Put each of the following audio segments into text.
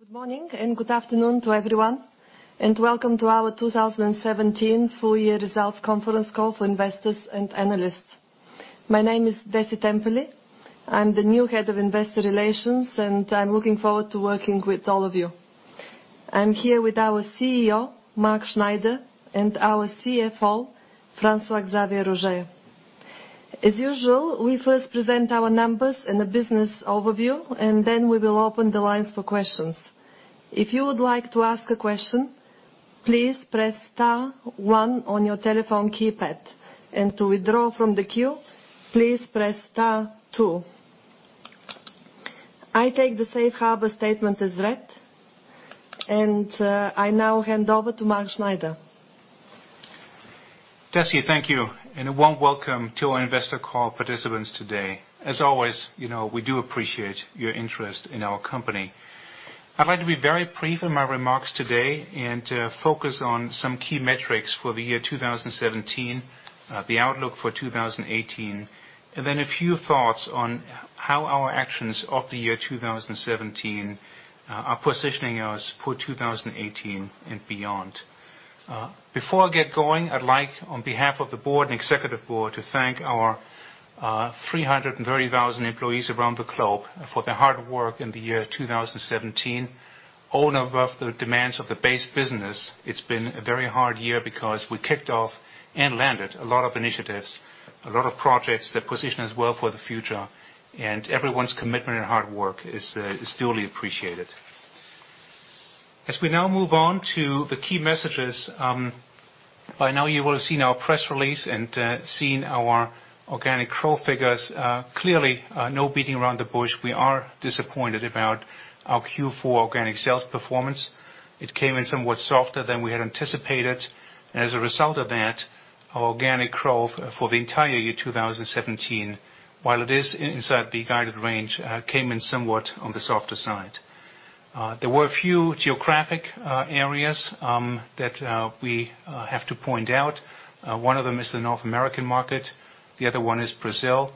Good morning and good afternoon to everyone, and welcome to our 2017 full year results conference call for investors and analysts. My name is Dessi Temperley. I'm the new Head of Investor Relations, and I'm looking forward to working with all of you. I'm here with our CEO, Mark Schneider, and our CFO, François-Xavier Roger. As usual, we first present our numbers and a business overview, and then we will open the lines for questions. If you would like to ask a question, please press star one on your telephone keypad. To withdraw from the queue, please press star two. I take the safe harbor statement as read, and I now hand over to Mark Schneider. Dessi, thank you, and a warm welcome to our investor call participants today. As always, we do appreciate your interest in our company. I'd like to be very brief in my remarks today and focus on some key metrics for the year 2017, the outlook for 2018, and then a few thoughts on how our actions of the year 2017 are positioning us for 2018 and beyond. Before I get going, I'd like, on behalf of the board and executive board, to thank our 330,000 employees around the globe for their hard work in the year 2017. All above the demands of the base business. It's been a very hard year because we kicked off and landed a lot of initiatives, a lot of projects that position us well for the future. Everyone's commitment and hard work is duly appreciated. As we now move on to the key messages. By now you will have seen our press release and seen our organic growth figures. Clearly, no beating around the bush. We are disappointed about our Q4 organic sales performance. It came in somewhat softer than we had anticipated. As a result of that, our organic growth for the entire year 2017, while it is inside the guided range, came in somewhat on the softer side. There were a few geographic areas that we have to point out. One of them is the North American market, the other one is Brazil.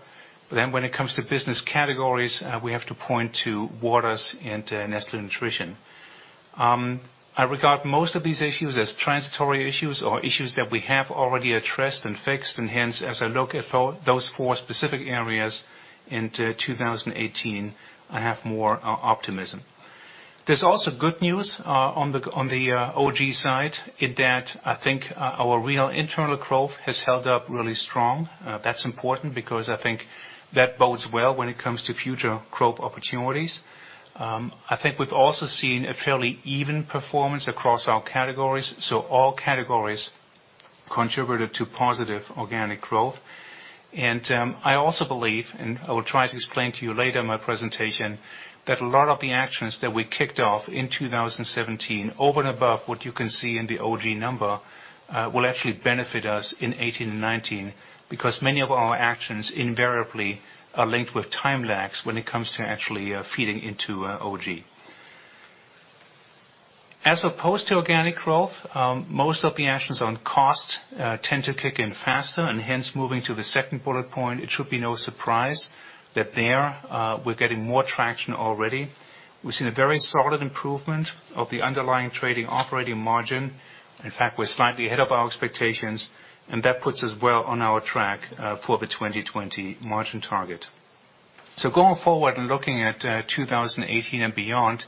When it comes to business categories, we have to point to Waters and Nestlé Nutrition. I regard most of these issues as transitory issues or issues that we have already addressed and fixed. Hence, as I look at those four specific areas into 2018, I have more optimism. There's also good news on the OG side in that I think our real internal growth has held up really strong. That's important because I think that bodes well when it comes to future growth opportunities. I think we've also seen a fairly even performance across all categories. All categories contributed to positive organic growth. I also believe, and I will try to explain to you later in my presentation, that a lot of the actions that we kicked off in 2017, over and above what you can see in the OG number, will actually benefit us in 2018 and 2019. Because many of our actions invariably are linked with time lags when it comes to actually feeding into OG. Hence, moving to the second bullet point, it should be no surprise that there we're getting more traction already. We've seen a very solid improvement of the underlying trading operating margin. In fact, we're slightly ahead of our expectations, and that puts us well on our track for the 2020 margin target. Going forward and looking at 2018 and beyond,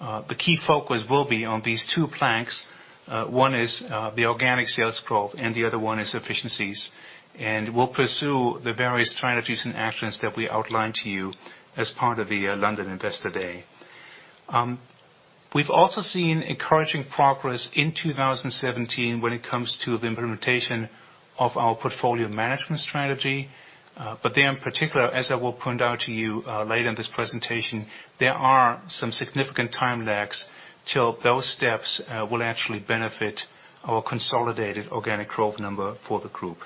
the key focus will be on these two planks. One is the organic sales growth and the other one is efficiencies. We'll pursue the various strategies and actions that we outlined to you as part of the London Investor Day. We've also seen encouraging progress in 2017 when it comes to the implementation of our portfolio management strategy. There in particular, as I will point out to you later in this presentation, there are some significant time lags till those steps will actually benefit our consolidated organic growth number for the group.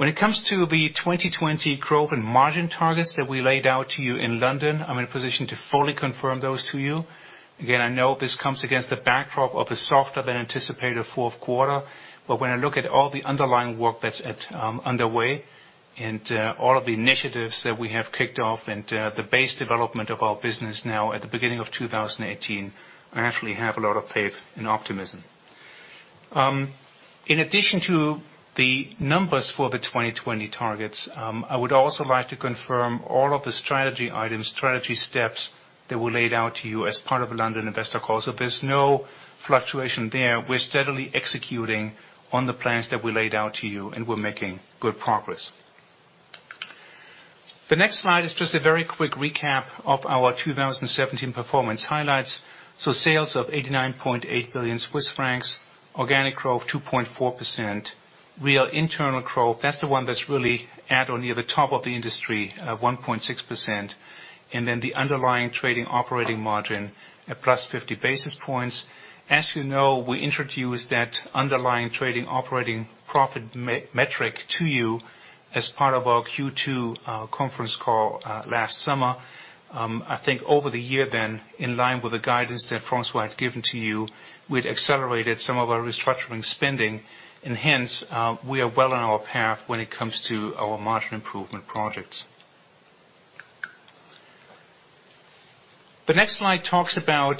When it comes to the 2020 growth and margin targets that we laid out to you in London, I'm in a position to fully confirm those to you. Again, I know this comes against the backdrop of a softer than anticipated fourth quarter. When I look at all the underlying work that's underway and all of the initiatives that we have kicked off and the base development of our business now at the beginning of 2018, I actually have a lot of faith and optimism. In addition to the numbers for the 2020 targets, I would also like to confirm all of the strategy items, strategy steps that were laid out to you as part of the London Investor Call. There's no fluctuation there. We're steadily executing on the plans that we laid out to you. We're making good progress. The next slide is just a very quick recap of our 2017 performance highlights. Sales of 89.8 billion Swiss francs, organic growth 2.4%. Real internal growth, that's the one that's really at or near the top of the industry, at 1.6%. Then the underlying trading operating margin at +50 basis points. As you know, we introduced that underlying trading operating profit metric to you as part of our Q2 conference call last summer. I think over the year then, in line with the guidance that François had given to you, we'd accelerated some of our restructuring spending. Hence, we are well on our path when it comes to our margin improvement projects. The next slide talks about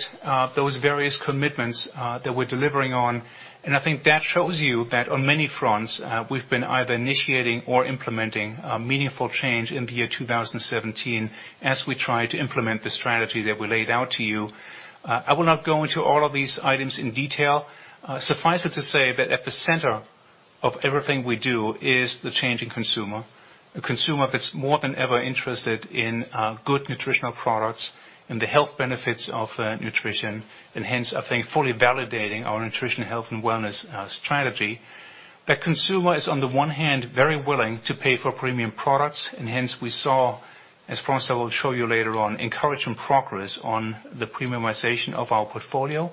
those various commitments that we're delivering on. That shows you that on many fronts, we've been either initiating or implementing meaningful change in the year 2017 as we try to implement the strategy that we laid out to you. I will not go into all of these items in detail. Suffice it to say that at the center of everything we do is the changing consumer. A consumer that's more than ever interested in good nutritional products and the health benefits of nutrition. Hence, I think, fully validating our nutrition, health, and wellness strategy. That consumer is, on the one hand, very willing to pay for premium products. Hence, we saw, as François will show you later on, encouraging progress on the premiumization of our portfolio.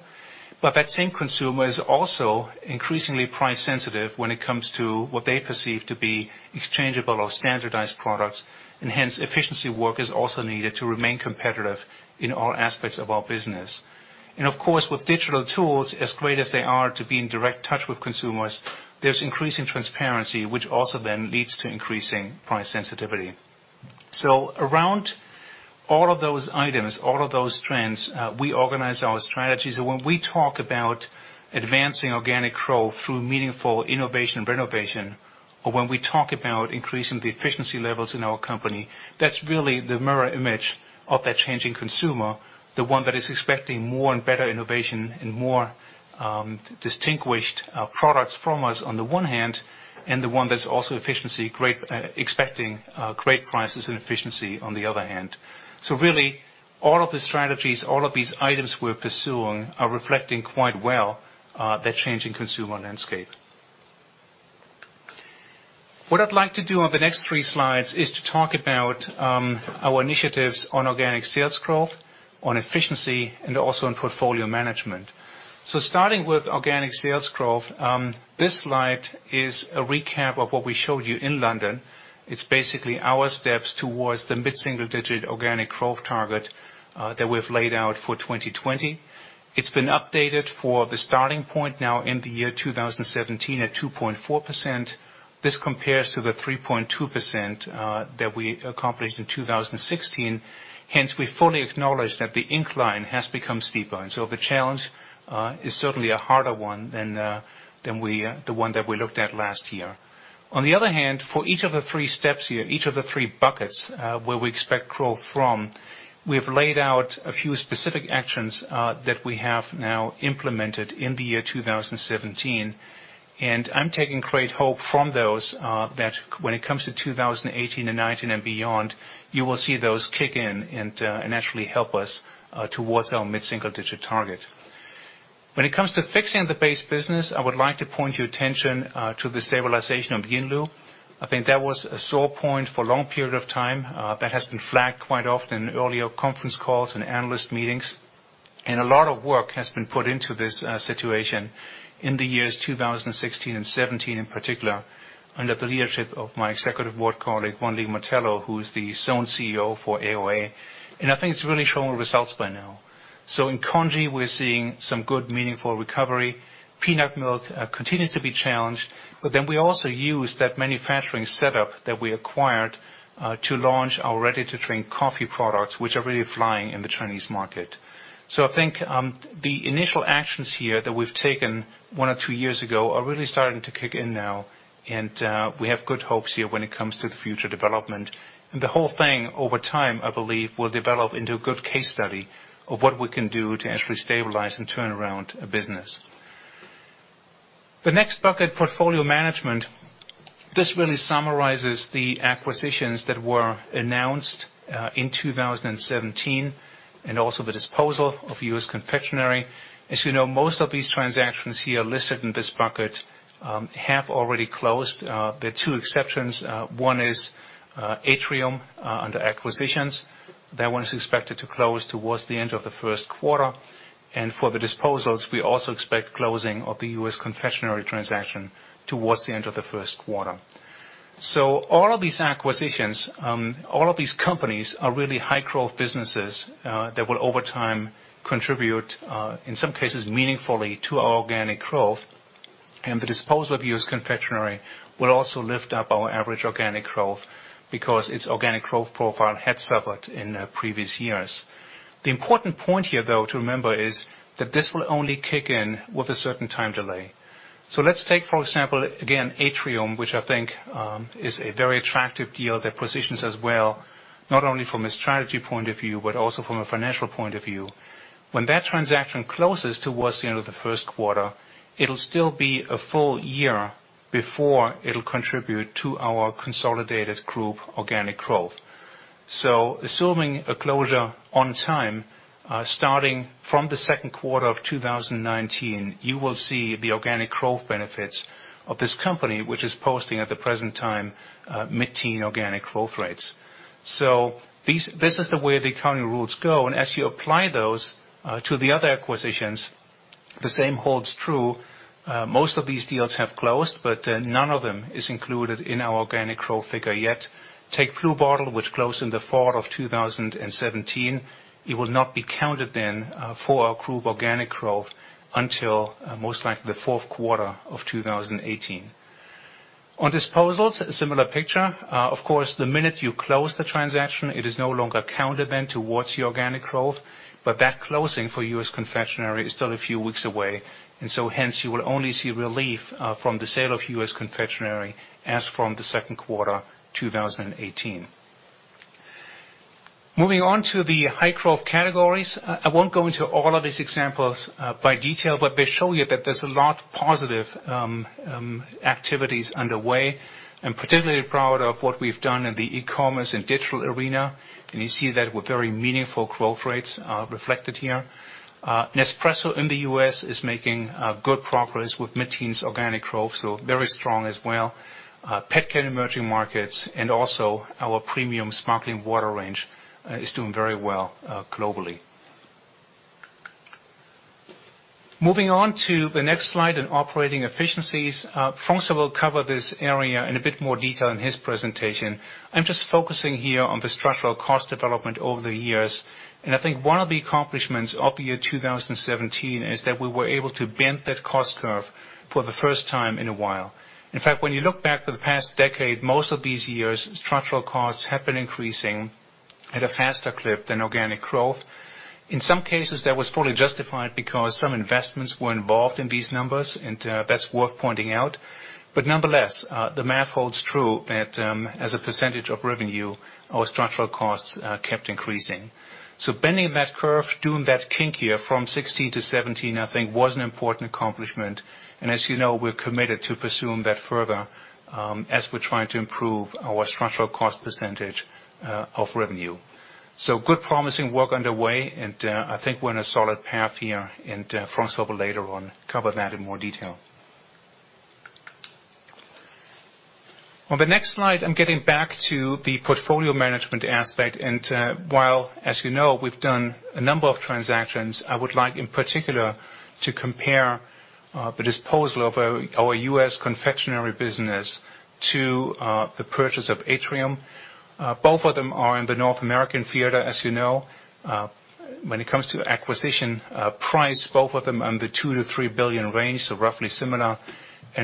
That same consumer is also increasingly price sensitive when it comes to what they perceive to be exchangeable or standardized products. Hence, efficiency work is also needed to remain competitive in all aspects of our business. Of course, with digital tools, as great as they are to be in direct touch with consumers, there is increasing transparency, which also then leads to increasing price sensitivity. Around all of those items, all of those trends, we organize our strategies. When we talk about advancing organic growth through meaningful innovation and renovation, or when we talk about increasing the efficiency levels in our company, that is really the mirror image of that changing consumer, the one that is expecting more and better innovation and more distinguished products from us on the one hand, and the one that is also efficiency, expecting great prices and efficiency on the other hand. Really, all of the strategies, all of these items we are pursuing are reflecting quite well the changing consumer landscape. What I would like to do on the next three slides is to talk about our initiatives on organic sales growth, on efficiency, and also on portfolio management. Starting with organic sales growth, this slide is a recap of what we showed you in London. It is basically our steps towards the mid-single-digit organic growth target that we have laid out for 2020. It has been updated for the starting point now in the year 2017 at 2.4%. This compares to the 3.2% that we accomplished in 2016. Hence, we fully acknowledge that the incline has become steeper. The challenge is certainly a harder one than the one that we looked at last year. On the other hand, for each of the three steps here, each of the three buckets where we expect growth from, we have laid out a few specific actions that we have now implemented in the year 2017. I am taking great hope from those that when it comes to 2018 and 2019 and beyond, you will see those kick in and actually help us towards our mid-single-digit target. When it comes to fixing the base business, I would like to point your attention to the stabilization of Yinlu. I think that was a sore point for a long period of time that has been flagged quite often in earlier conference calls and analyst meetings. A lot of work has been put into this situation in the years 2016 and 2017 in particular under the leadership of my executive board colleague, Wan Ling Martello, who is the zone CEO for AOA. I think it is really showing results by now. In congee, we are seeing some good, meaningful recovery. Peanut milk continues to be challenged. We also use that manufacturing setup that we acquired to launch our ready-to-drink coffee products, which are really flying in the Chinese market. I think the initial actions here that we have taken one or two years ago are really starting to kick in now, and we have good hopes here when it comes to the future development. the whole thing over time, I believe, will develop into a good case study of what we can do to actually stabilize and turn around a business. The next bucket, portfolio management. This really summarizes the acquisitions that were announced in 2017 and also the disposal of U.S. confectionery. As you know, most of these transactions here listed in this bucket have already closed. There are two exceptions. One is Atrium under acquisitions. That one is expected to close towards the end of the first quarter. For the disposals, we also expect closing of the U.S. confectionery transaction towards the end of the first quarter. All of these acquisitions, all of these companies are really high-growth businesses that will over time contribute, in some cases, meaningfully to our organic growth. the disposal of U.S. confectionery will also lift up our average organic growth because its organic growth profile had suffered in previous years. The important point here, though, to remember is that this will only kick in with a certain time delay. Let's take, for example, again, Atrium, which I think is a very attractive deal that positions us well, not only from a strategy point of view, but also from a financial point of view. When that transaction closes towards the end of the first quarter, it'll still be a full year before it'll contribute to our consolidated group organic growth. Assuming a closure on time, starting from the second quarter of 2019, you will see the organic growth benefits of this company, which is posting at the present time mid-teen organic growth rates. this is the way the accounting rules go, and as you apply those to the other acquisitions, the same holds true. Most of these deals have closed, but none of them is included in our organic growth figure yet. Take Blue Bottle, which closed in the fall of 2017. It will not be counted then for our group organic growth until most likely the fourth quarter of 2018. On disposals, similar picture. Of course, the minute you close the transaction, it is no longer counted then towards the organic growth, but that closing for U.S. confectionery is still a few weeks away. Hence, you will only see relief from the sale of U.S. confectionery as from the second quarter 2018. Moving on to the high growth categories. I won't go into all of these examples by detail, but they show you that there's a lot positive activities underway. I'm particularly proud of what we've done in the e-commerce and digital arena, and you see that with very meaningful growth rates reflected here. Nespresso in the U.S. is making good progress with mid-teen organic growth, very strong as well. Pet care in emerging markets and also our premium sparkling water range is doing very well globally. Moving on to the next slide in operating efficiencies. François will cover this area in a bit more detail in his presentation. I'm just focusing here on the structural cost development over the years. I think one of the accomplishments of the year 2017 is that we were able to bend that cost curve for the first time in a while. In fact, when you look back for the past decade, most of these years, structural costs have been increasing at a faster clip than organic growth. In some cases, that was fully justified because some investments were involved in these numbers, and that's worth pointing out. Nonetheless, the math holds true that as a percentage of revenue, our structural costs kept increasing. Bending that curve, doing that kink here from 2016 to 2017, I think was an important accomplishment. As you know, we're committed to pursue that further, as we're trying to improve our structural cost percentage of revenue. Good promising work underway, and I think we're on a solid path here and François will later on cover that in more detail. On the next slide, I'm getting back to the portfolio management aspect, and while, as you know, we've done a number of transactions, I would like in particular to compare the disposal of our U.S. confectionery business to the purchase of Atrium. Both of them are in the North American theater, as you know. When it comes to acquisition price, both of them under 2 billion-3 billion range, so roughly similar.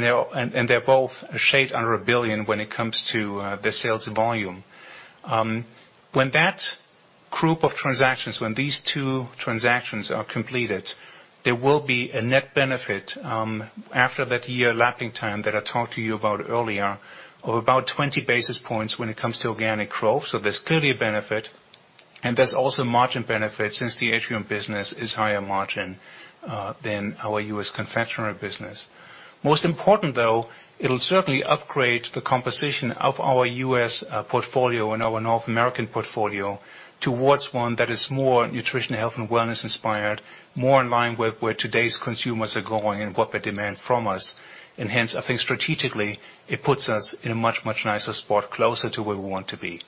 They're both shade under 1 billion when it comes to the sales volume. When that group of transactions, when these two transactions are completed, there will be a net benefit, after that year lapping time that I talked to you about earlier, of about 20 basis points when it comes to organic growth. There's clearly a benefit and there's also margin benefit since the Atrium business is higher margin, than our U.S. confectionery business. Most important though, it'll certainly upgrade the composition of our U.S. portfolio and our North American portfolio towards one that is more nutrition, health, and wellness inspired, more in line with where today's consumers are going and what they demand from us. Hence, I think strategically, it puts us in a much nicer spot closer to where we want to be.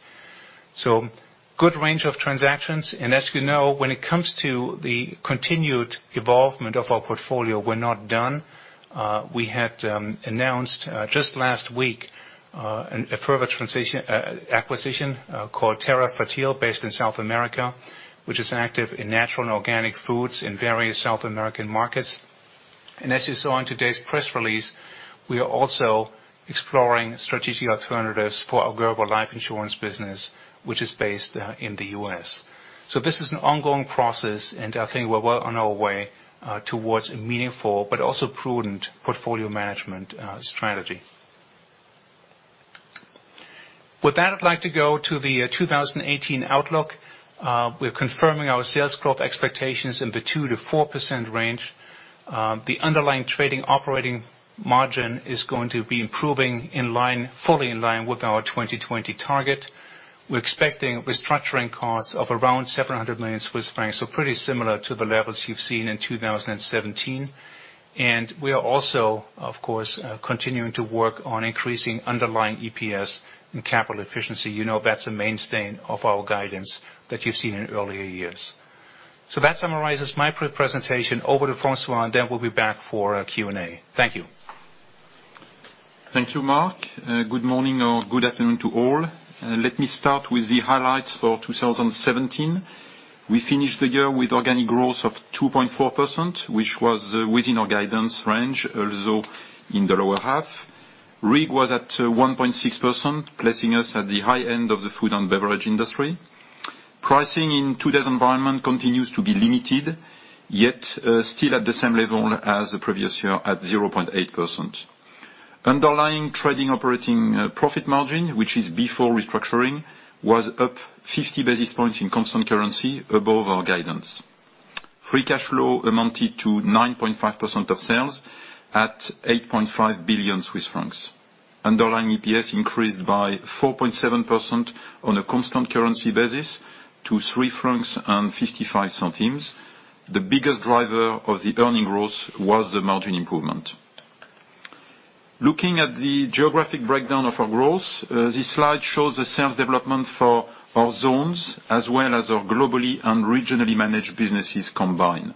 Good range of transactions, as you know, when it comes to the continued evolvement of our portfolio, we're not done. We had announced just last week, a further acquisition, called Terrafertil, based in South America, which is active in natural and organic foods in various South American markets. As you saw in today's press release, we are also exploring strategic alternatives for our global life insurance business, which is based in the U.S. This is an ongoing process and I think we're well on our way towards a meaningful but also prudent portfolio management strategy. With that, I'd like to go to the 2018 outlook. We're confirming our sales growth expectations in the 2%-4% range. The underlying trading operating margin is going to be improving fully in line with our 2020 target. We're expecting restructuring costs of around 700 million Swiss francs, so pretty similar to the levels you've seen in 2017. We are also, of course, continuing to work on increasing underlying EPS and capital efficiency. You know that's a mainstay of our guidance that you've seen in earlier years. That summarizes my presentation. Over to François, and then we'll be back for a Q&A. Thank you. Thank you, Mark. Good morning or good afternoon to all. Let me start with the highlights for 2017. We finished the year with organic growth of 2.4%, which was within our guidance range, although in the lower half. RIG was at 1.6%, placing us at the high end of the food and beverage industry. Pricing in today's environment continues to be limited, yet still at the same level as the previous year at 0.8%. Underlying trading operating profit margin, which is before restructuring, was up 50 basis points in constant currency above our guidance. Free cash flow amounted to 9.5% of sales at 8.5 billion Swiss francs. Underlying EPS increased by 4.7% on a constant currency basis to 3.55 francs. The biggest driver of the earnings growth was the margin improvement. Looking at the geographic breakdown of our growth, this slide shows the sales development for our zones as well as our globally and regionally managed businesses combined.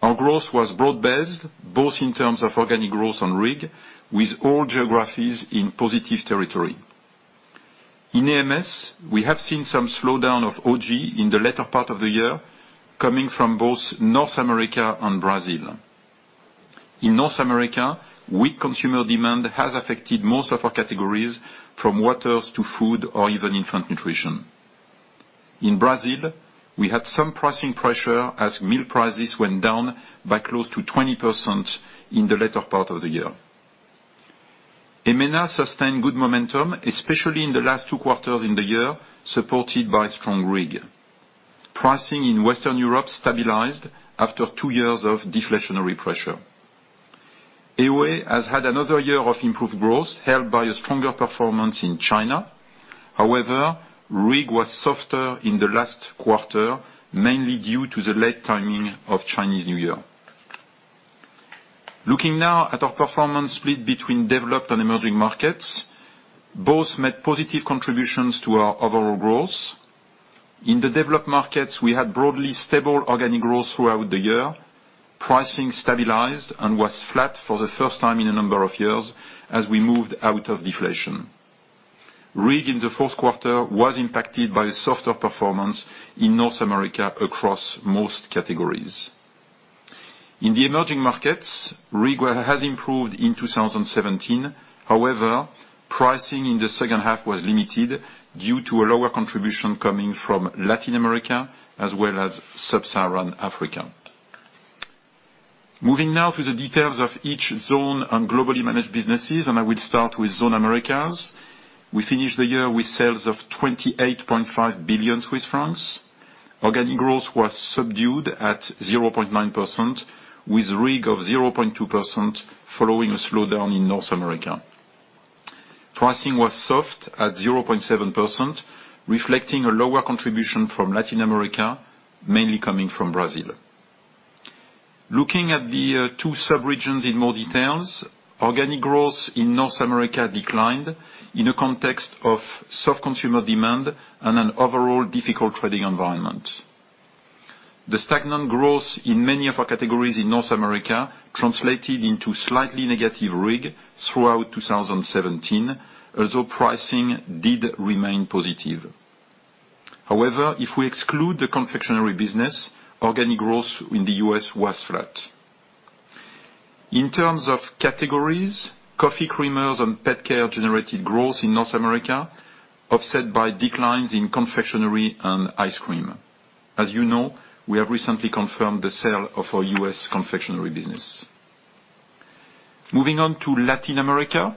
Our growth was broad-based, both in terms of organic growth and RIG, with all geographies in positive territory. In AMS, we have seen some slowdown of OG in the latter part of the year, coming from both North America and Brazil. In North America, weak consumer demand has affected most of our categories from waters to food or even infant nutrition. In Brazil, we had some pricing pressure as milk prices went down by close to 20% in the latter part of the year. EMENA sustained good momentum, especially in the last two quarters in the year, supported by strong RIG. Pricing in Western Europe stabilized after two years of deflationary pressure. AOA has had another year of improved growth helped by a stronger performance in China. However, RIG was softer in the last quarter, mainly due to the late timing of Chinese New Year. Looking now at our performance split between developed and emerging markets, both made positive contributions to our overall growth. In the developed markets, we had broadly stable organic growth throughout the year. Pricing stabilized and was flat for the first time in a number of years as we moved out of deflation. RIG in the fourth quarter was impacted by a softer performance in North America across most categories. In the emerging markets, RIG has improved in 2017. However, pricing in the second half was limited due to a lower contribution coming from Latin America as well as sub-Saharan Africa. Moving now to the details of each zone on globally managed businesses, I will start with Zone Americas. We finished the year with sales of 28.5 billion Swiss francs. Organic growth was subdued at 0.9% with RIG of 0.2% following a slowdown in North America. Pricing was soft at 0.7%, reflecting a lower contribution from Latin America, mainly coming from Brazil. Looking at the two sub-regions in more details, organic growth in North America declined in a context of soft consumer demand and an overall difficult trading environment. The stagnant growth in many of our categories in North America translated into slightly negative RIG throughout 2017, although pricing did remain positive. However, if we exclude the confectionery business, organic growth in the U.S. was flat. In terms of categories, coffee creamers and pet care generated growth in North America, offset by declines in confectionery and ice cream. As you know, we have recently confirmed the sale of our U.S. confectionery business. Moving on to Latin America,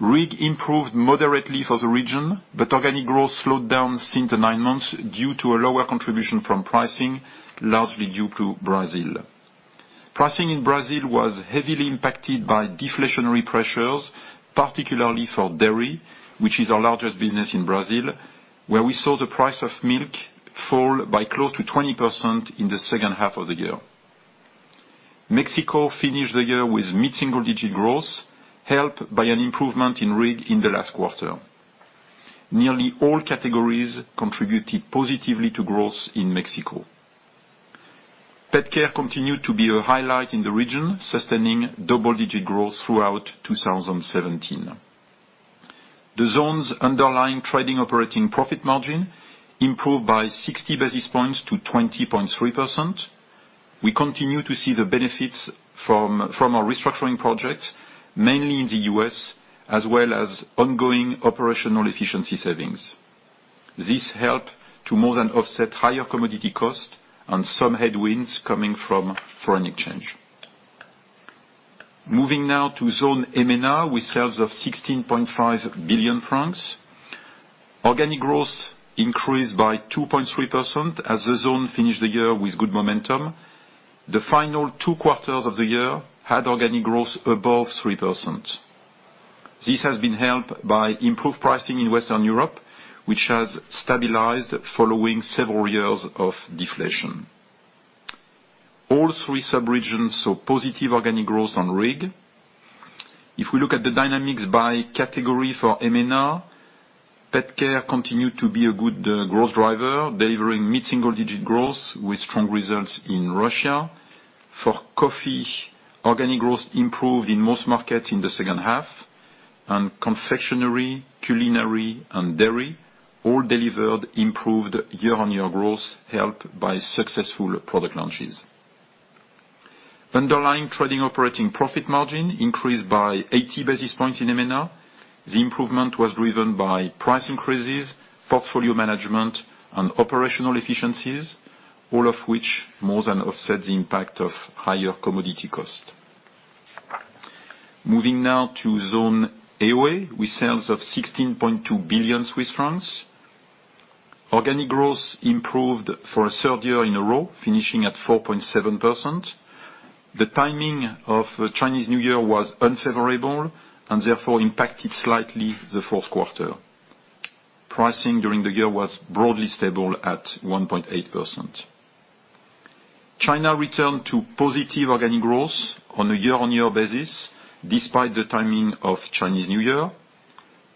RIG improved moderately for the region, but organic growth slowed down since the nine months due to a lower contribution from pricing, largely due to Brazil. Pricing in Brazil was heavily impacted by deflationary pressures, particularly for dairy, which is our largest business in Brazil, where we saw the price of milk fall by close to 20% in the second half of the year. Mexico finished the year with mid-single digit growth, helped by an improvement in RIG in the last quarter. Nearly all categories contributed positively to growth in Mexico. Pet care continued to be a highlight in the region, sustaining double-digit growth throughout 2017. The zone's underlying trading operating profit margin improved by 60 basis points to 20.3%. We continue to see the benefits from our restructuring project, mainly in the U.S., as well as ongoing operational efficiency savings. This helped to more than offset higher commodity cost and some headwinds coming from foreign exchange. Moving now to Zone EMENA with sales of 16.5 billion francs. Organic growth increased by 2.3% as the zone finished the year with good momentum. The final two quarters of the year had organic growth above 3%. This has been helped by improved pricing in Western Europe, which has stabilized following several years of deflation. All three sub-regions saw positive organic growth on RIG. If we look at the dynamics by category for EMENA, pet care continued to be a good growth driver, delivering mid-single digit growth with strong results in Russia. For coffee, organic growth improved in most markets in the second half. Confectionery, culinary, and dairy all delivered improved year-on-year growth helped by successful product launches. Underlying trading operating profit margin increased by 80 basis points in EMENA. The improvement was driven by price increases, portfolio management, and operational efficiencies, all of which more than offset the impact of higher commodity cost. Moving now to Zone AOA with sales of 16.2 billion Swiss francs. Organic growth improved for a third year in a row, finishing at 4.7%. The timing of the Chinese New Year was unfavorable and therefore impacted slightly the fourth quarter. Pricing during the year was broadly stable at 1.8%. China returned to positive organic growth on a year-on-year basis, despite the timing of Chinese New Year.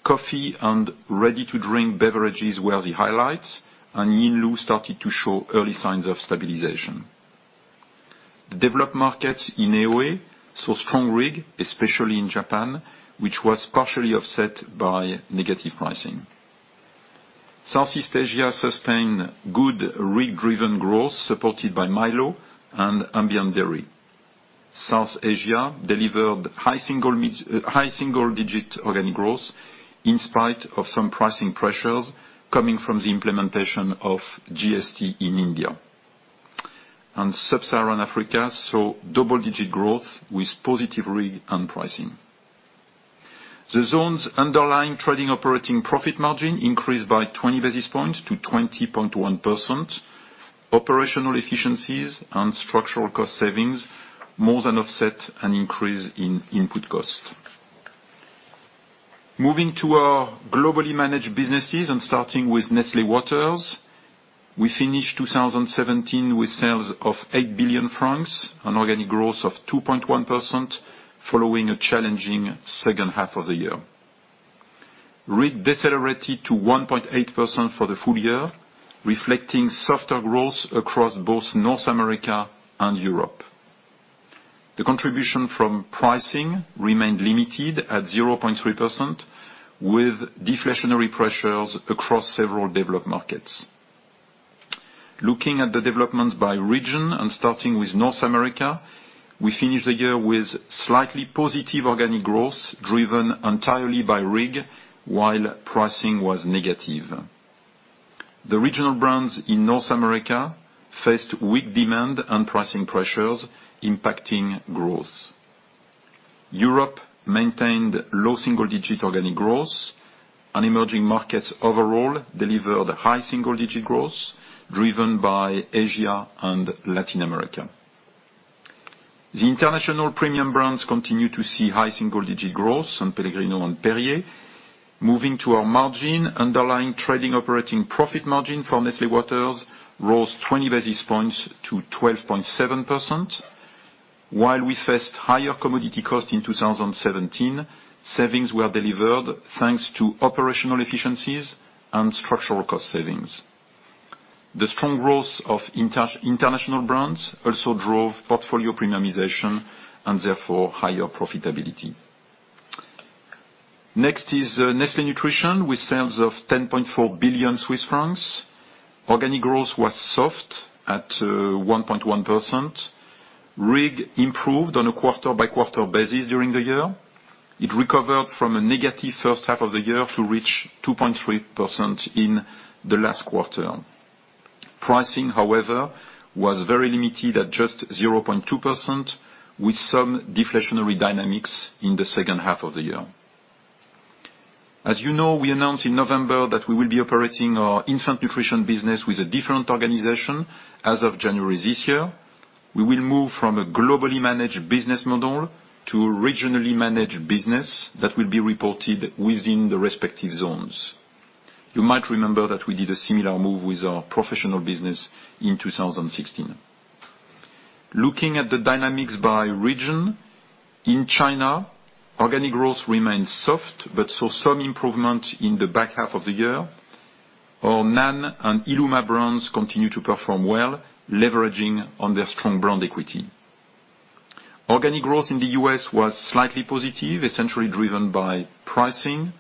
Coffee and ready-to-drink beverages were the highlights, and Yinlu started to show early signs of stabilization. The developed markets in AOA saw strong RIG, especially in Japan, which was partially offset by negative pricing. Southeast Asia sustained good RIG-driven growth, supported by Milo and ambient dairy. South Asia delivered high single digit organic growth in spite of some pricing pressures coming from the implementation of GST in India. Sub-Saharan Africa saw double-digit growth with positive RIG and pricing. The zone's underlying trading operating profit margin increased by 20 basis points to 20.1%. Operational efficiencies and structural cost savings more than offset an increase in input cost. Moving to our globally managed businesses and starting with Nestlé Waters. We finished 2017 with sales of 8 billion francs, an organic growth of 2.1% following a challenging second half of the year. RIG decelerated to 1.8% for the full year, reflecting softer growth across both North America and Europe. The contribution from pricing remained limited at 0.3% with deflationary pressures across several developed markets. Looking at the developments by region and starting with North America, we finished the year with slightly positive organic growth, driven entirely by RIG, while pricing was negative. The regional brands in North America faced weak demand and pricing pressures impacting growth. Europe maintained low single-digit organic growth, and emerging markets overall delivered high single-digit growth, driven by Asia and Latin America. The international premium brands continue to see high single-digit growth, S.Pellegrino and Perrier. Moving to our margin, underlying trading operating profit margin for Nestlé Waters rose 20 basis points to 12.7%. While we faced higher commodity cost in 2017, savings were delivered thanks to operational efficiencies and structural cost savings. The strong growth of international brands also drove portfolio premiumization and therefore higher profitability. Next is Nestlé Nutrition with sales of 10.4 billion Swiss francs. Organic growth was soft at 1.1%. RIG improved on a quarter-by-quarter basis during the year. It recovered from a negative first half of the year to reach 2.3% in the last quarter. Pricing, however, was very limited at just 0.2% with some deflationary dynamics in the second half of the year. As you know, we announced in November that we will be operating our infant nutrition business with a different organization as of January this year. We will move from a globally managed business model to a regionally managed business that will be reported within the respective zones. You might remember that we did a similar move with our professional business in 2016. Looking at the dynamics by region. In China, organic growth remains soft, but saw some improvement in the back half of the year. Our NAN and Illuma brands continue to perform well, leveraging on their strong brand equity. Organic growth in the U.S. was slightly positive, essentially driven by pricing.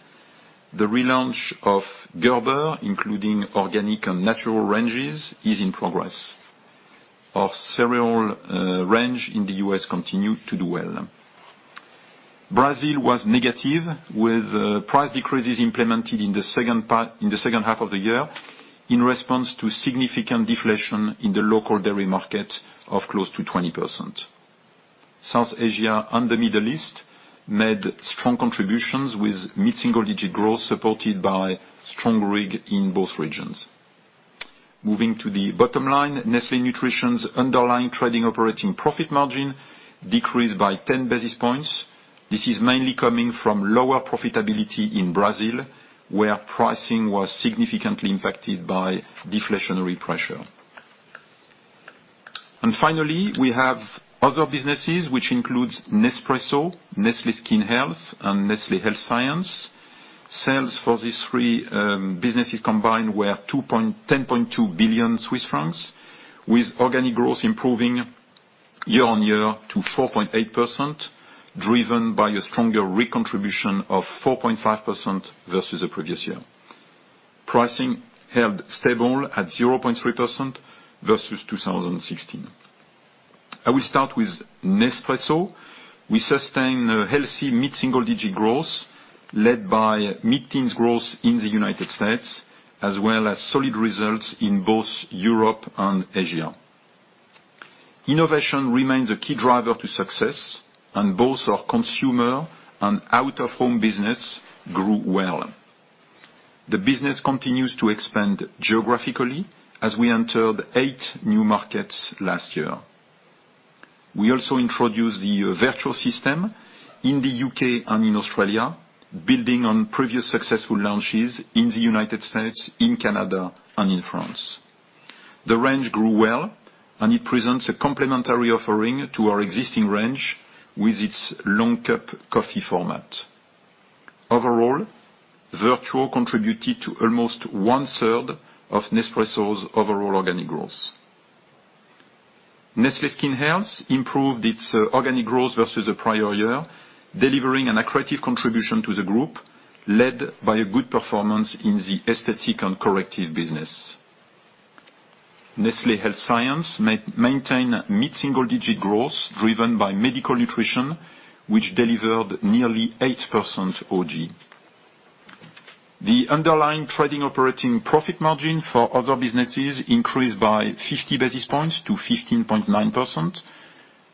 The relaunch of Gerber, including organic and natural ranges, is in progress. Our cereal range in the U.S. continued to do well. Brazil was negative with price decreases implemented in the second half of the year in response to significant deflation in the local dairy market of close to 20%. South Asia and the Middle East made strong contributions with mid-single digit growth supported by strong RIG in both regions. Moving to the bottom line, Nestlé Nutrition's underlying trading operating profit margin decreased by 10 basis points. This is mainly coming from lower profitability in Brazil, where pricing was significantly impacted by deflationary pressure. Finally, we have other businesses, which includes Nespresso, Nestlé Skin Health, and Nestlé Health Science. Sales for these three businesses combined were 10.2 billion Swiss francs, with organic growth improving year-on-year to 4.8%, driven by a stronger recontribution of 4.5% versus the previous year. Pricing held stable at 0.3% versus 2016. I will start with Nespresso. We sustained a healthy mid-single digit growth led by mid-teens growth in the United States, as well as solid results in both Europe and Asia. Innovation remains a key driver to success, and both our consumer and out-of-home business grew well. The business continues to expand geographically as we entered eight new markets last year. We also introduced the Vertuo system in the U.K. and in Australia, building on previous successful launches in the United States, in Canada, and in France. The range grew well, and it presents a complementary offering to our existing range with its long cup coffee format. Overall, Vertuo contributed to almost one-third of Nespresso's overall organic growth. Nestlé Skin Health improved its organic growth versus the prior year, delivering an accretive contribution to the group, led by a good performance in the aesthetic and corrective business. Nestlé Health Science maintained mid-single digit growth driven by medical nutrition, which delivered nearly 8% OG. The underlying trading operating profit margin for other businesses increased by 50 basis points to 15.9%.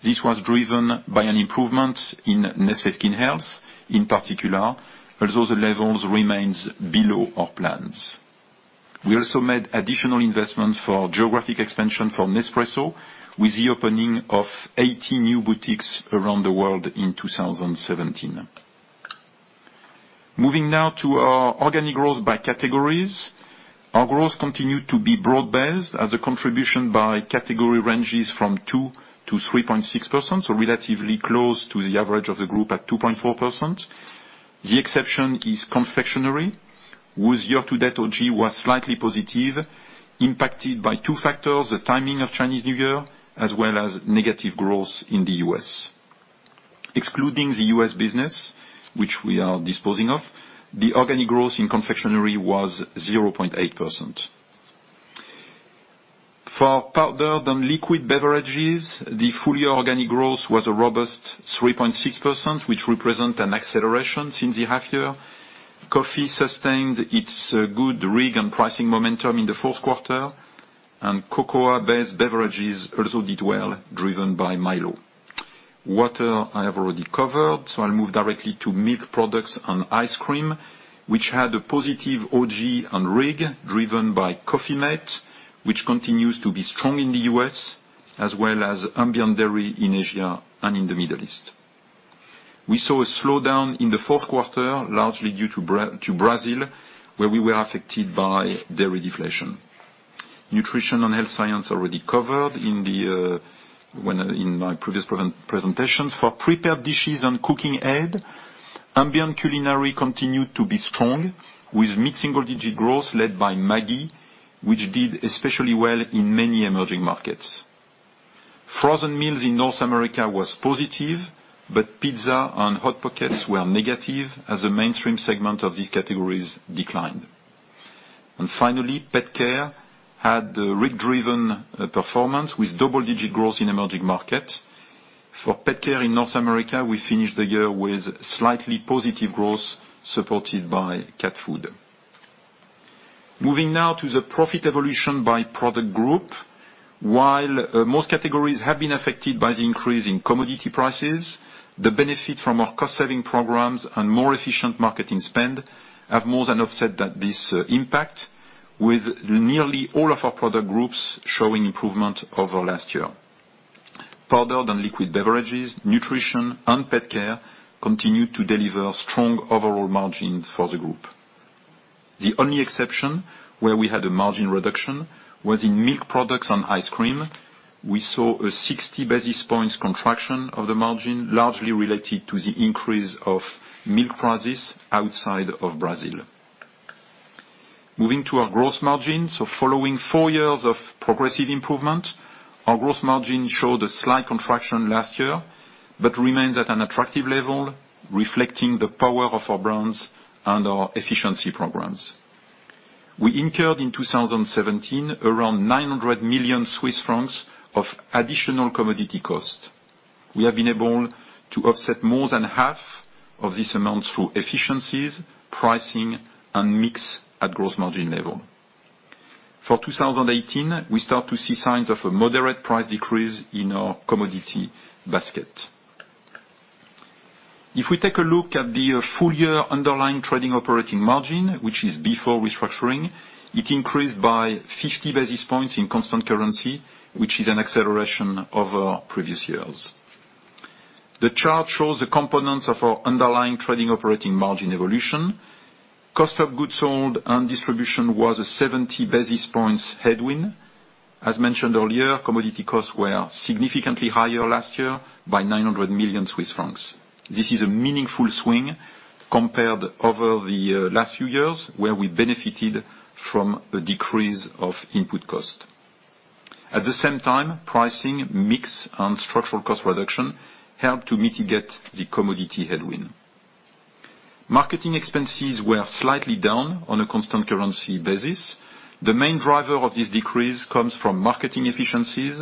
This was driven by an improvement in Nestlé Skin Health, in particular, although the levels remains below our plans. We also made additional investments for geographic expansion for Nespresso, with the opening of 80 new boutiques around the world in 2017. Moving now to our organic growth by categories. Our growth continued to be broad-based as the contribution by category ranges from 2% to 3.6%, so relatively close to the average of the group at 2.4%. The exception is confectionery, whose year-to-date OG was slightly positive, impacted by two factors, the timing of Chinese New Year, as well as negative growth in the U.S. Excluding the U.S. business, which we are disposing of, the organic growth in confectionery was 0.8%. For powdered and liquid beverages, the full-year organic growth was a robust 3.6%, which represent an acceleration since the half year. Coffee sustained its good RIG and pricing momentum in the fourth quarter. Cocoa-based beverages also did well, driven by Milo. Water, I have already covered, so I'll move directly to milk products and ice cream, which had a positive OG on RIG driven by Coffee-mate, which continues to be strong in the U.S., as well as ambient dairy in Asia and in the Middle East. We saw a slowdown in the fourth quarter, largely due to Brazil, where we were affected by dairy deflation. Nutrition and health science already covered in my previous presentation. For prepared dishes and cooking aids, ambient culinary continued to be strong with mid-single digit growth led by Maggi, which did especially well in many emerging markets. Frozen meals in North America was positive, but pizza and HOT POCKETS were negative as the mainstream segment of these categories declined. Finally, pet care had a RIG-driven performance with double-digit growth in emerging markets. For pet care in North America, we finished the year with slightly positive growth supported by cat food. Moving now to the profit evolution by product group. While most categories have been affected by the increase in commodity prices, the benefit from our cost-saving programs and more efficient marketing spend have more than offset this impact with nearly all of our product groups showing improvement over last year. Powdered and liquid beverages, nutrition, and pet care continued to deliver strong overall margins for the group. The only exception where we had a margin reduction was in milk products and ice cream. We saw a 60 basis points contraction of the margin, largely related to the increase of milk prices outside of Brazil. Moving to our growth margin. Following four years of progressive improvement, our growth margin showed a slight contraction last year, but remains at an attractive level, reflecting the power of our brands and our efficiency programs. We incurred in 2017 around 900 million Swiss francs of additional commodity cost. We have been able to offset more than half of this amount through efficiencies, pricing, and mix at gross margin level. For 2018, we start to see signs of a moderate price decrease in our commodity basket. If we take a look at the full-year underlying trading operating margin, which is before restructuring, it increased by 50 basis points in constant currency, which is an acceleration over previous years. The chart shows the components of our underlying trading operating margin evolution. Cost of goods sold and distribution was a 70 basis points headwind. As mentioned earlier, commodity costs were significantly higher last year by 900 million Swiss francs. This is a meaningful swing compared over the last few years, where we benefited from a decrease of input cost. At the same time, pricing, mix, and structural cost reduction helped to mitigate the commodity headwind. Marketing expenses were slightly down on a constant currency basis. The main driver of this decrease comes from marketing efficiencies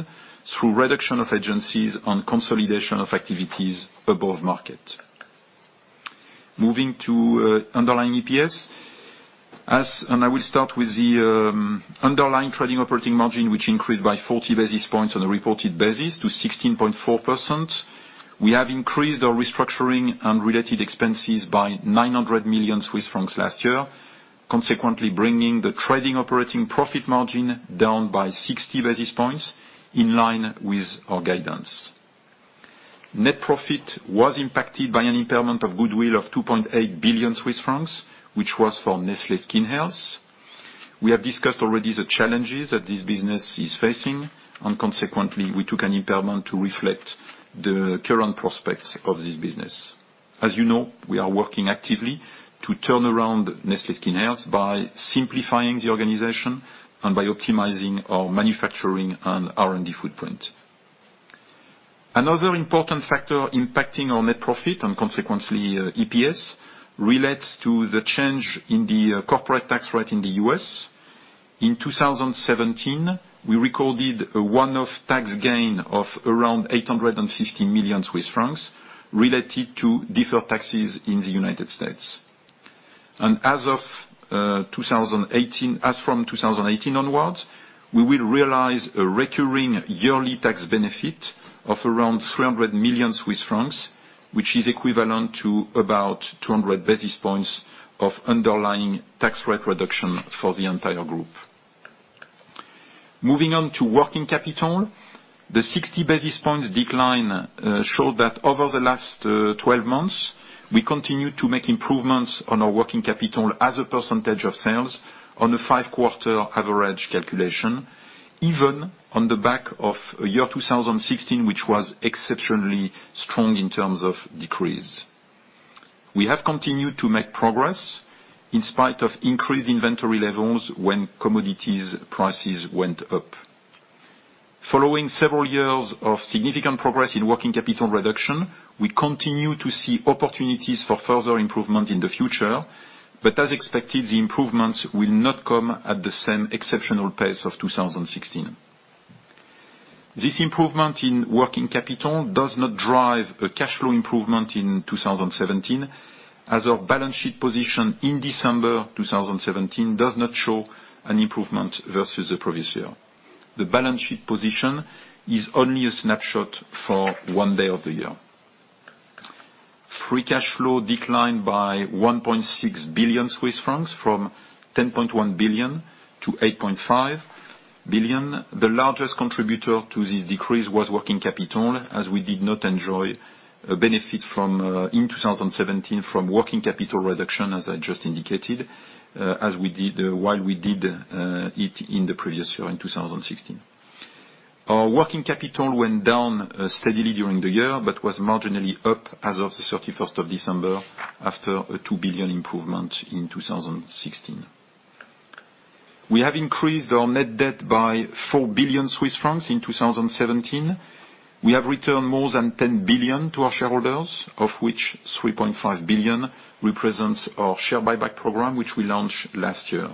through reduction of agencies and consolidation of activities above market. Moving to underlying EPS. I will start with the underlying trading operating margin, which increased by 40 basis points on a reported basis to 16.4%. We have increased our restructuring and related expenses by 900 million Swiss francs last year, consequently bringing the trading operating profit margin down by 60 basis points in line with our guidance. Net profit was impacted by an impairment of goodwill of 2.8 billion Swiss francs, which was for Nestlé Skin Health. We have discussed already the challenges that this business is facing, and consequently, we took an impairment to reflect the current prospects of this business. As you know, we are working actively to turn around Nestlé Skin Health by simplifying the organization and by optimizing our manufacturing and R&D footprint. Another important factor impacting our net profit, and consequently EPS, relates to the change in the corporate tax rate in the U.S. In 2017, we recorded a one-off tax gain of around 850 million Swiss francs related to deferred taxes in the United States. As from 2018 onwards, we will realize a recurring yearly tax benefit of around 300 million Swiss francs, which is equivalent to about 200 basis points of underlying tax rate reduction for the entire group. Moving on to working capital. The 60 basis points decline showed that over the last 12 months, we continued to make improvements on our working capital as a percentage of sales on a five-quarter average calculation, even on the back of year 2016, which was exceptionally strong in terms of decrease. We have continued to make progress in spite of increased inventory levels when commodities prices went up. Following several years of significant progress in working capital reduction, we continue to see opportunities for further improvement in the future, but as expected, the improvements will not come at the same exceptional pace of 2016. This improvement in working capital does not drive a cash flow improvement in 2017, as our balance sheet position in December 2017 does not show an improvement versus the previous year. The balance sheet position is only a snapshot for one day of the year. Free cash flow declined by 1.6 billion Swiss francs from 10.1 billion to 8.5 billion. The largest contributor to this decrease was working capital, as we did not enjoy a benefit in 2017 from working capital reduction, as I just indicated, while we did it in the previous year in 2016. Our working capital went down steadily during the year but was marginally up as of the 31st of December after a 2 billion improvement in 2016. We have increased our net debt by 4 billion Swiss francs in 2017. We have returned more than 10 billion to our shareholders, of which 3.5 billion represents our share buyback program, which we launched last year.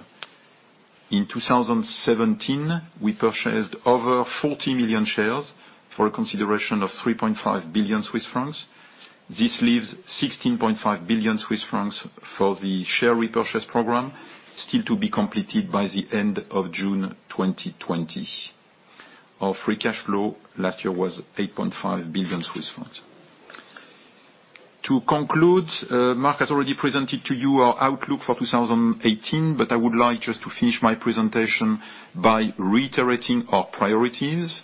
In 2017, we purchased over 40 million shares for a consideration of 3.5 billion Swiss francs. This leaves 16.5 billion Swiss francs for the share repurchase program still to be completed by the end of June 2020. Our free cash flow last year was 8.5 billion Swiss francs. To conclude, Mark has already presented to you our outlook for 2018, but I would like just to finish my presentation by reiterating our priorities.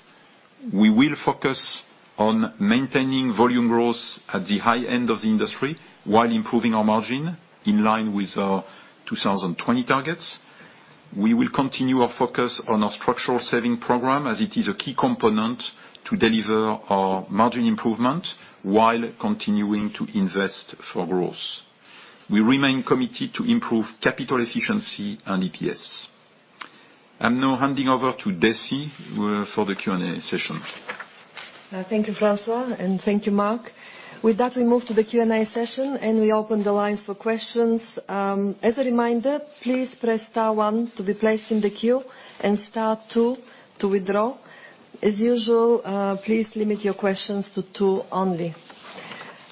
We will focus on maintaining volume growth at the high end of the industry while improving our margin in line with our 2020 targets. We will continue our focus on our structural saving program as it is a key component to deliver our margin improvement while continuing to invest for growth. We remain committed to improve capital efficiency and EPS. I'm now handing over to Dessi for the Q&A session. Thank you, François, and thank you, Mark. With that, we move to the Q&A session. We open the lines for questions. As a reminder, please press star one to be placed in the queue and star two to withdraw. As usual, please limit your questions to two only.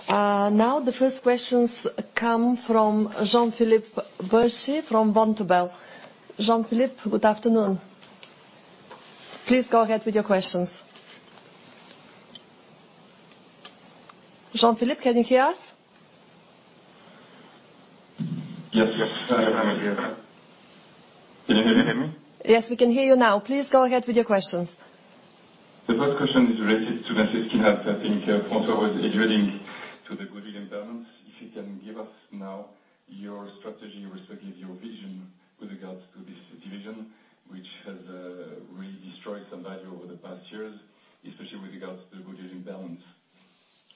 The first questions come from Jean-Philippe Bertschy from Vontobel. Jean-Philippe, good afternoon. Please go ahead with your questions. Jean-Philippe, can you hear us? Yes. I am here. Can you hear me? Yes, we can hear you now. Please go ahead with your questions. The first question is related to Nestlé Skin Health. I think François was alluding to the goodwill impairments. If you can give us now your strategy or certainly your vision with regards to this division, which has really destroyed some value over the past years, especially with regards to the goodwill impairments.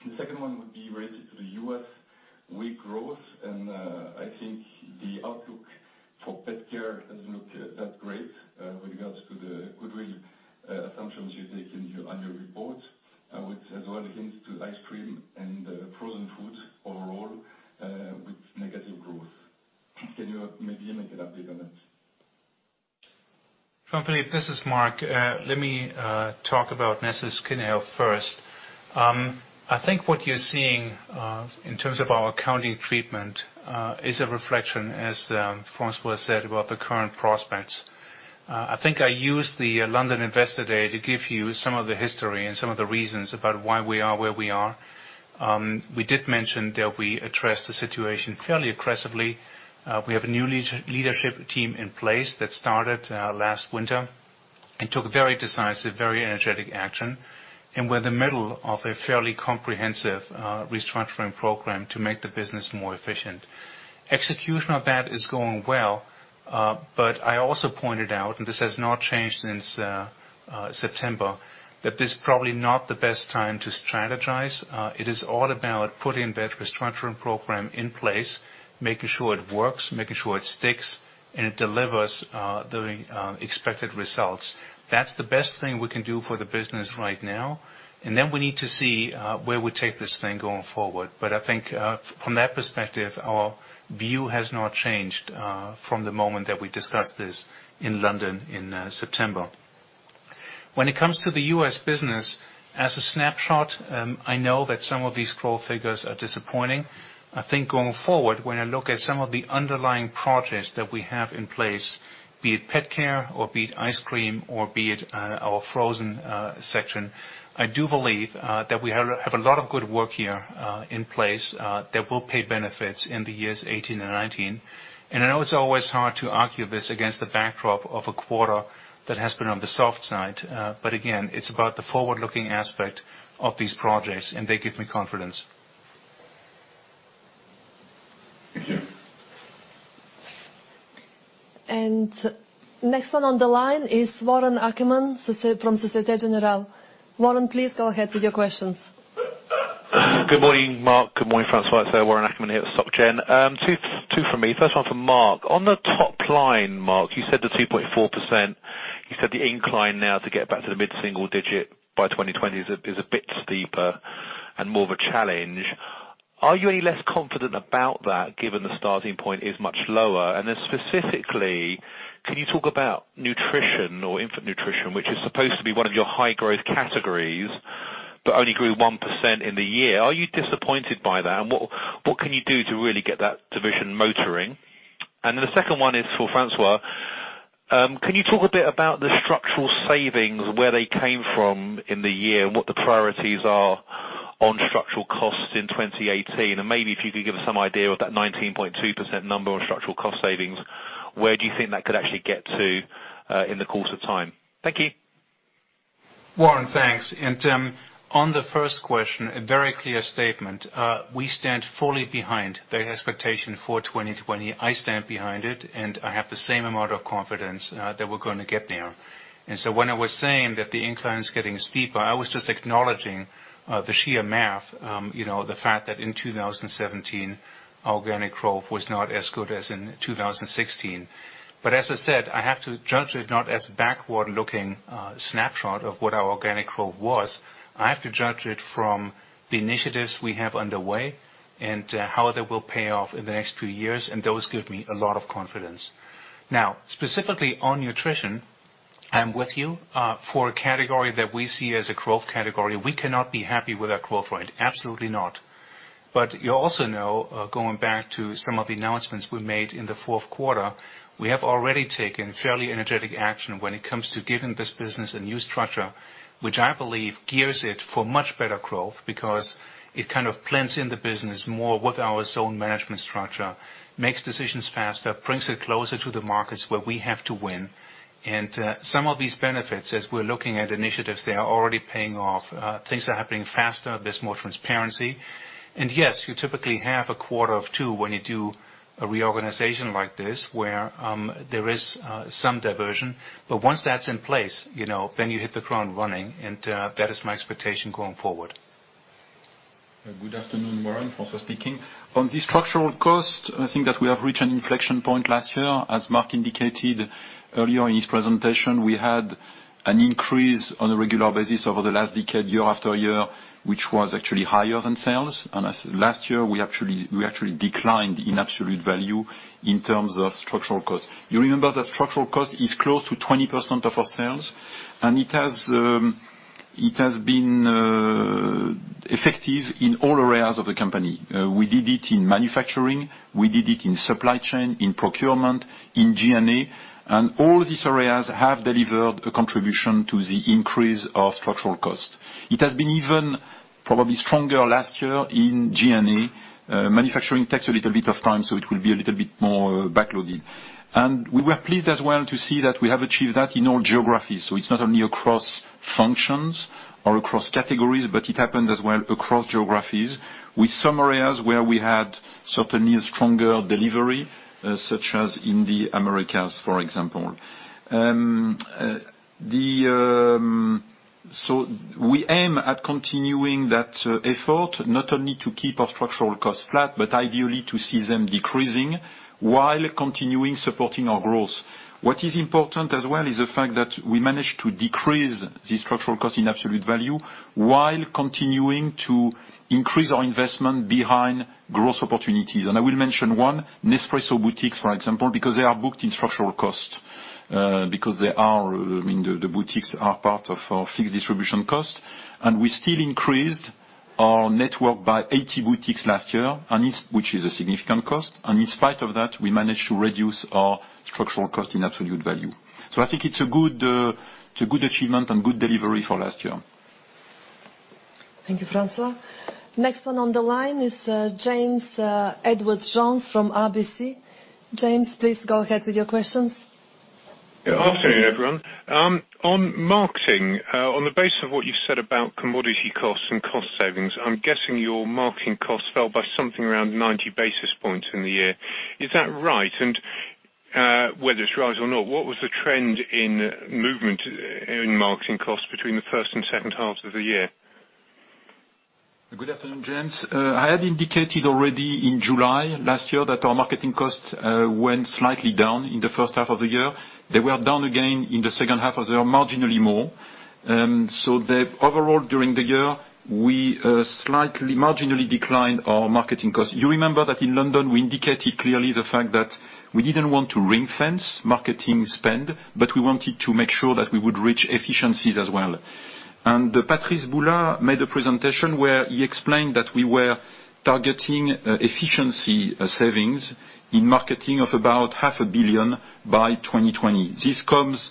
The second one would be related to the U.S. weak growth, and I think the outlook for pet care doesn't look that great with regards to the goodwill assumptions you take on your report, which as well hints to ice cream and frozen food overall with negative growth. Can you maybe make an update on it? Jean-Philippe, this is Mark. Let me talk about Nestlé Skin Health first. I think what you're seeing in terms of our accounting treatment is a reflection, as François has said, about the current prospects. I think I used the London Investor Day to give you some of the history and some of the reasons about why we are where we are. We did mention that we addressed the situation fairly aggressively. We have a new leadership team in place that started last winter Took very decisive, very energetic action. We're in the middle of a fairly comprehensive restructuring program to make the business more efficient. Execution of that is going well, I also pointed out, and this has not changed since September, that this is probably not the best time to strategize. It is all about putting that restructuring program in place, making sure it works, making sure it sticks, and it delivers the expected results. That's the best thing we can do for the business right now, and then we need to see where we take this thing going forward. I think from that perspective, our view has not changed from the moment that we discussed this in London in September. When it comes to the U.S. business, as a snapshot, I know that some of these growth figures are disappointing. I think going forward, when I look at some of the underlying projects that we have in place, be it pet care or be it ice cream, or be it our frozen section, I do believe that we have a lot of good work here in place that will pay benefits in the years 2018 and 2019. I know it's always hard to argue this against the backdrop of a quarter that has been on the soft side. Again, it's about the forward-looking aspect of these projects, and they give me confidence. Thank you. Next one on the line is Warren Ackerman from Société Générale. Warren, please go ahead with your questions. Good morning, Mark. Good morning, François. Warren Ackerman here at Soc Gen. Two from me, first one for Mark. On the top line, Mark, you said the 2.4%, you said the incline now to get back to the mid-single digit by 2020 is a bit steeper and more of a challenge. Are you any less confident about that, given the starting point is much lower? Then specifically, can you talk about Nestlé Nutrition or infant nutrition, which is supposed to be one of your high-growth categories, but only grew 1% in the year. Are you disappointed by that? What can you do to really get that division motoring? Then the second one is for François. Can you talk a bit about the structural savings, where they came from in the year, and what the priorities are on structural costs in 2018? Maybe if you could give us some idea of that 19.2% number on structural cost savings, where do you think that could actually get to in the course of time? Thank you. Warren, thanks. On the first question, a very clear statement. We stand fully behind the expectation for 2020. I stand behind it, and I have the same amount of confidence that we're going to get there. When I was saying that the incline is getting steeper, I was just acknowledging the sheer math, the fact that in 2017, organic growth was not as good as in 2016. As I said, I have to judge it not as backward-looking snapshot of what our organic growth was. I have to judge it from the initiatives we have underway and how they will pay off in the next few years, and those give me a lot of confidence. Specifically on nutrition, I'm with you. For a category that we see as a growth category, we cannot be happy with our growth rate, absolutely not. You also know, going back to some of the announcements we made in the fourth quarter, we have already taken fairly energetic action when it comes to giving this business a new structure, which I believe gears it for much better growth because it kind of plants in the business more with our zone management structure, makes decisions faster, brings it closer to the markets where we have to win. Some of these benefits, as we're looking at initiatives, they are already paying off. Things are happening faster, there's more transparency. Yes, you typically have a quarter or two when you do a reorganization like this where there is some diversion. Once that's in place, you hit the ground running, and that is my expectation going forward. Good afternoon, Warren. François speaking. On the structural cost, I think that we have reached an inflection point last year. As Mark indicated earlier in his presentation, we had an increase on a regular basis over the last decade, year after year, which was actually higher than sales. Last year, we actually declined in absolute value in terms of structural cost. You remember that structural cost is close to 20% of our sales, and it has been effective in all areas of the company. We did it in manufacturing, we did it in supply chain, in procurement, in G&A, and all these areas have delivered a contribution to the increase of structural cost. It has been even probably stronger last year in G&A. Manufacturing takes a little bit of time, it will be a little bit more backloaded. We were pleased as well to see that we have achieved that in all geographies. It's not only across functions or across categories, but it happened as well across geographies with some areas where we had certainly a stronger delivery, such as in the Americas, for example. We aim at continuing that effort, not only to keep our structural costs flat, but ideally to see them decreasing while continuing supporting our growth. What is important as well is the fact that we managed to decrease the structural cost in absolute value while continuing to increase our investment behind growth opportunities. I will mention one, Nespresso boutiques, for example, because they are booked in structural cost, because the boutiques are part of our fixed distribution cost. We still increased our network by 80 boutiques last year, which is a significant cost. In spite of that, we managed to reduce our structural cost in absolute value. I think it's a good achievement and good delivery for last year. Thank you, François. Next one on the line is James Edwardes Jones from RBC. James, please go ahead with your questions. Afternoon, everyone. On marketing, on the basis of what you've said about commodity costs and cost savings, I'm guessing your marketing costs fell by something around 90 basis points in the year. Is that right? Whether it's right or not, what was the trend in movement in marketing costs between the first and second halves of the year? Good afternoon, James. I had indicated already in July last year that our marketing costs went slightly down in the first half of the year. They were down again in the second half of the year, marginally more. Overall, during the year, we slightly marginally declined our marketing costs. You remember that in London, we indicated clearly the fact that we didn't want to ring-fence marketing spend, but we wanted to make sure that we would reach efficiencies as well. Patrice Bula made a presentation where he explained that we were targeting efficiency savings in marketing of about half a billion by 2020. This comes,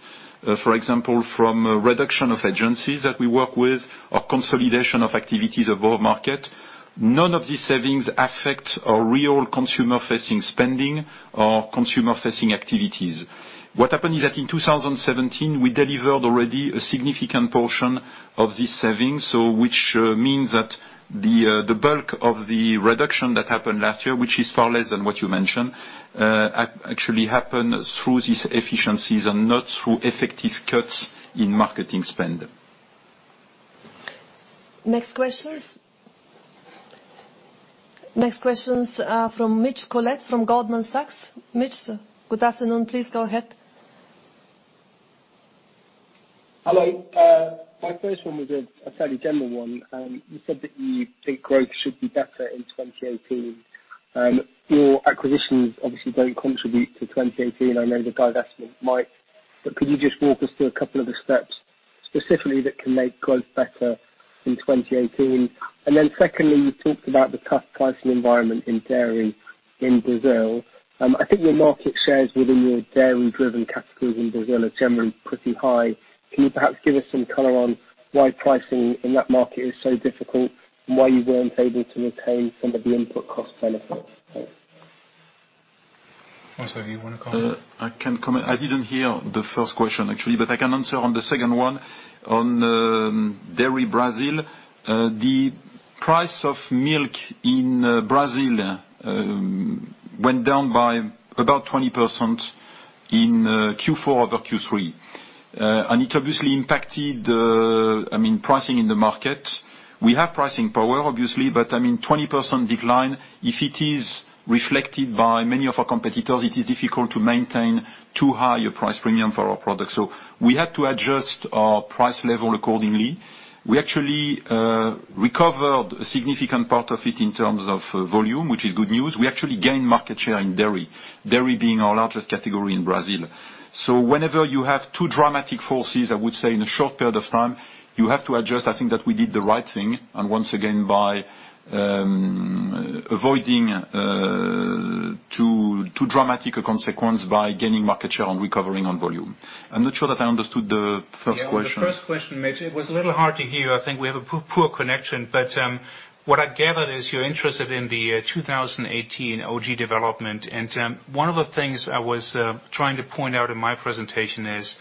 for example, from a reduction of agencies that we work with or consolidation of activities above market. None of these savings affect our real consumer-facing spending or consumer-facing activities. What happened is that in 2017, we delivered already a significant portion of these savings, which means that the bulk of the reduction that happened last year, which is far less than what you mentioned, actually happened through these efficiencies and not through effective cuts in marketing spend. Next questions from Mitch Collett from Goldman Sachs. Mitch, good afternoon. Please go ahead. Hello. My first one was a fairly general one. You said that you think growth should be better in 2018. Your acquisitions obviously don't contribute to 2018. I know the divestment might. Could you just walk us through a couple of the steps specifically that can make growth better in 2018? Secondly, you talked about the tough pricing environment in dairy in Brazil. I think your market shares within your dairy-driven categories in Brazil are generally pretty high. Can you perhaps give us some color on why pricing in that market is so difficult, and why you weren't able to maintain some of the input cost benefits? François, you want to comment? I can comment. I didn't hear the first question actually, but I can answer on the second one. On dairy Brazil, the price of milk in Brazil went down by about 20% in Q4 over Q3. It obviously impacted pricing in the market. We have pricing power obviously, but 20% decline, if it is reflected by many of our competitors, it is difficult to maintain too high a price premium for our products. We had to adjust our price level accordingly. We actually recovered a significant part of it in terms of volume, which is good news. We actually gained market share in dairy. Dairy being our largest category in Brazil. Whenever you have two dramatic forces, I would say, in a short period of time, you have to adjust. I think that we did the right thing, and once again, by avoiding too dramatic a consequence by gaining market share and recovering on volume. I'm not sure that I understood the first question. Yeah, on the first question, Mitch, it was a little hard to hear. I think we have a poor connection. What I gathered is you're interested in the 2018 OG development. One of the things I was trying to point out in my presentation is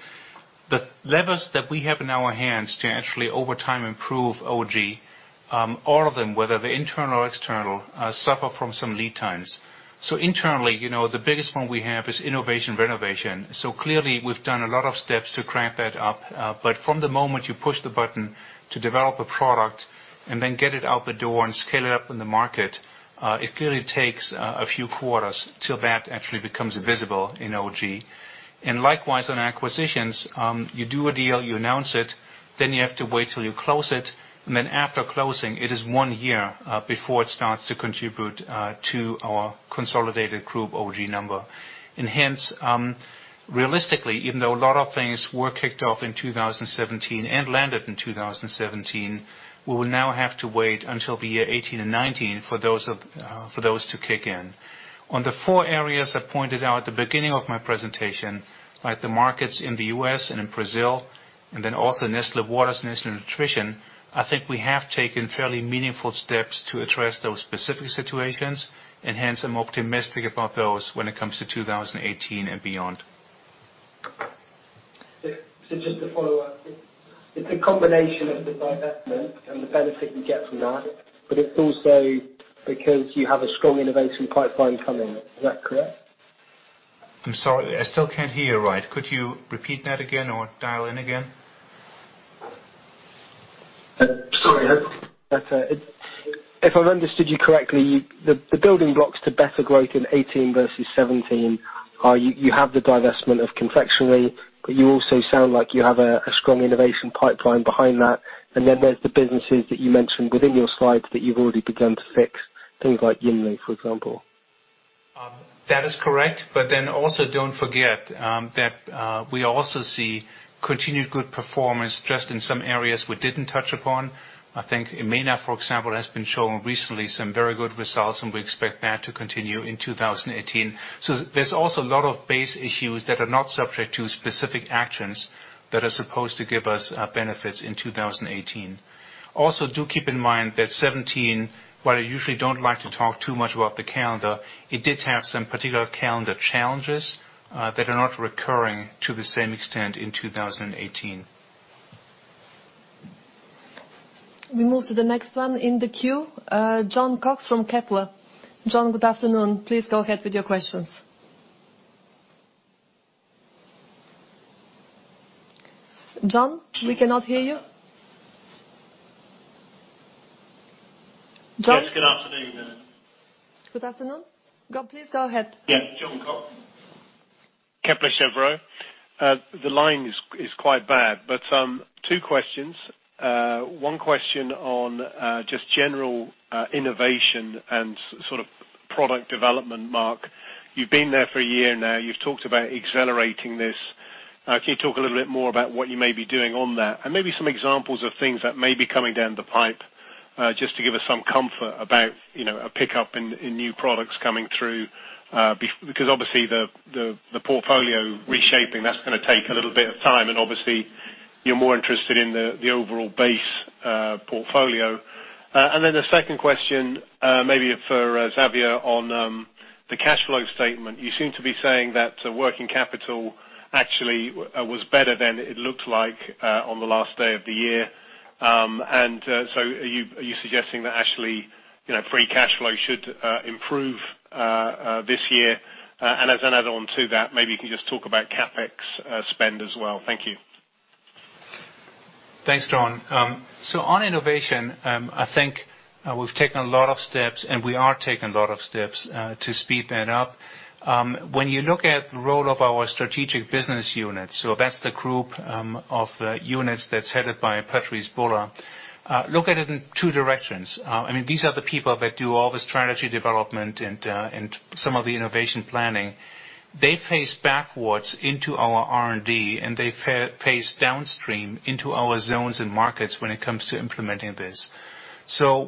the levers that we have in our hands to actually over time improve OG, all of them, whether they're internal or external, suffer from some lead times. Internally, the biggest one we have is innovation renovation. Clearly we've done a lot of steps to ramp that up. From the moment you push the button to develop a product and then get it out the door and scale it up in the market, it clearly takes a few quarters till that actually becomes visible in OSG. Likewise, on acquisitions, you do a deal, you announce it, then you have to wait till you close it, and then after closing, it is one year before it starts to contribute to our consolidated group OSG number. Hence, realistically, even though a lot of things were kicked off in 2017 and landed in 2017, we will now have to wait until the year 2018 and 2019 for those to kick in. On the four areas I pointed out at the beginning of my presentation, like the markets in the U.S. and in Brazil, and then also Nestlé Waters and Nestlé Nutrition, I think we have taken fairly meaningful steps to address those specific situations, and hence I'm optimistic about those when it comes to 2018 and beyond. Just to follow up. It's a combination of the divestment and the benefit we get from that, but it's also because you have a strong innovation pipeline coming. Is that correct? I'm sorry. I still can't hear you right. Could you repeat that again or dial in again? Sorry. If I've understood you correctly, the building blocks to better growth in 2018 versus 2017 are you have the divestment of confectionery, you also sound like you have a strong innovation pipeline behind that. There's the businesses that you mentioned within your slides that you've already begun to fix, things like Yinlu, for example. That is correct. Also don't forget that we also see continued good performance just in some areas we didn't touch upon. I think MENA, for example, has been showing recently some very good results, and we expect that to continue in 2018. There's also a lot of base issues that are not subject to specific actions. That are supposed to give us benefits in 2018. Do keep in mind that 2017, while I usually don't like to talk too much about the calendar, it did have some particular calendar challenges that are not recurring to the same extent in 2018. We move to the next one in the queue, Jon Cox from Kepler. Jon, good afternoon. Please go ahead with your questions. Jon, we cannot hear you. Jon? Yes, good afternoon. Good afternoon. Jon, please go ahead. Yes. Jon Cox, Kepler Cheuvreux. The line is quite bad, but two questions. One question on just general innovation and product development. Mark, you've been there for a year now. You've talked about accelerating this. Can you talk a little bit more about what you may be doing on that? Maybe some examples of things that may be coming down the pipe, just to give us some comfort about a pickup in new products coming through. Obviously, the portfolio reshaping, that's going to take a little bit of time, and obviously you're more interested in the overall base portfolio. The second question, maybe for Xavier, on the cash flow statement. You seem to be saying that working capital actually was better than it looked like on the last day of the year. Are you suggesting that actually, free cash flow should improve this year? As an add-on to that, maybe you can just talk about CapEx spend as well. Thank you. Thanks, Jon. On innovation, I think we've taken a lot of steps, and we are taking a lot of steps to speed that up. When you look at the role of our strategic business unit, that's the group of units that's headed by Patrice Bula. Look at it in two directions. These are the people that do all the strategy development and some of the innovation planning. They face backwards into our R&D, and they face downstream into our zones and markets when it comes to implementing this.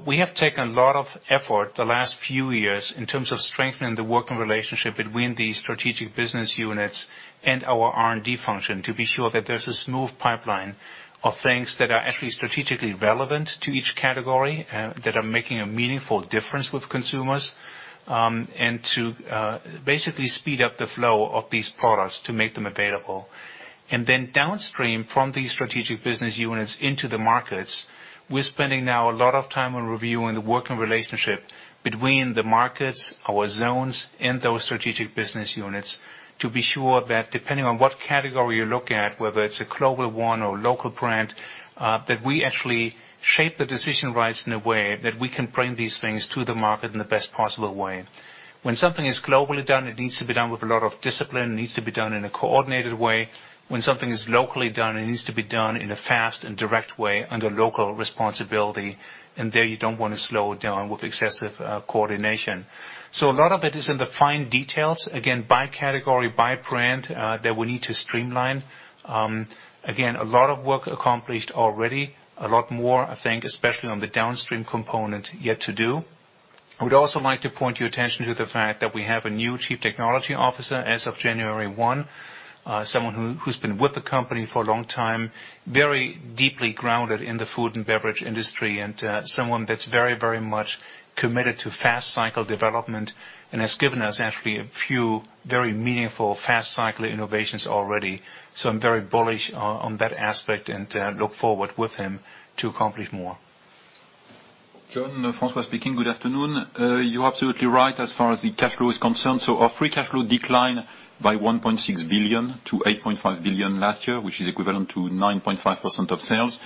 We have taken a lot of effort the last few years in terms of strengthening the working relationship between these strategic business units and our R&D function to be sure that there's a smooth pipeline of things that are actually strategically relevant to each category, that are making a meaningful difference with consumers, and to basically speed up the flow of these products to make them available. Downstream from these strategic business units into the markets, we're spending now a lot of time on reviewing the working relationship between the markets, our zones, and those strategic business units to be sure that depending on what category you look at, whether it's a global one or local brand, that we actually shape the decision rights in a way that we can bring these things to the market in the best possible way. When something is globally done, it needs to be done with a lot of discipline, needs to be done in a coordinated way. When something is locally done, it needs to be done in a fast and direct way under local responsibility. There you don't want to slow it down with excessive coordination. A lot of it is in the fine details, again, by category, by brand, that we need to streamline. Again, a lot of work accomplished already. A lot more, I think, especially on the downstream component, yet to do. I would also like to point your attention to the fact that we have a new chief technology officer as of January 1. Someone who's been with the company for a long time, very deeply grounded in the food and beverage industry, and someone that's very much committed to fast cycle development and has given us actually a few very meaningful, fast cycle innovations already. I'm very bullish on that aspect, and look forward with him to accomplish more. Jon, François speaking. Good afternoon. You're absolutely right as far as the cash flow is concerned. Our free cash flow declined by 1.6 billion to 8.5 billion last year, which is equivalent to 9.5% of sales.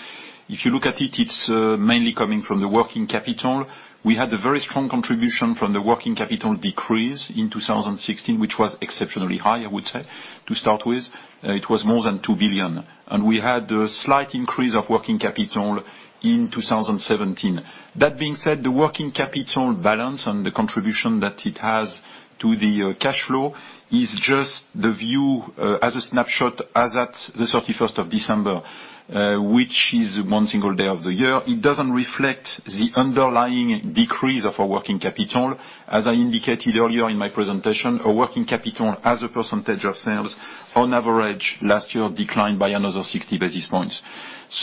If you look at it's mainly coming from the working capital. We had a very strong contribution from the working capital decrease in 2016, which was exceptionally high, I would say, to start with. It was more than 2 billion. We had a slight increase of working capital in 2017. That being said, the working capital balance and the contribution that it has to the cash flow is just the view as a snapshot as at the 31st of December, which is one single day of the year. It doesn't reflect the underlying decrease of our working capital. As I indicated earlier in my presentation, our working capital as a percentage of sales, on average last year declined by another 60 basis points.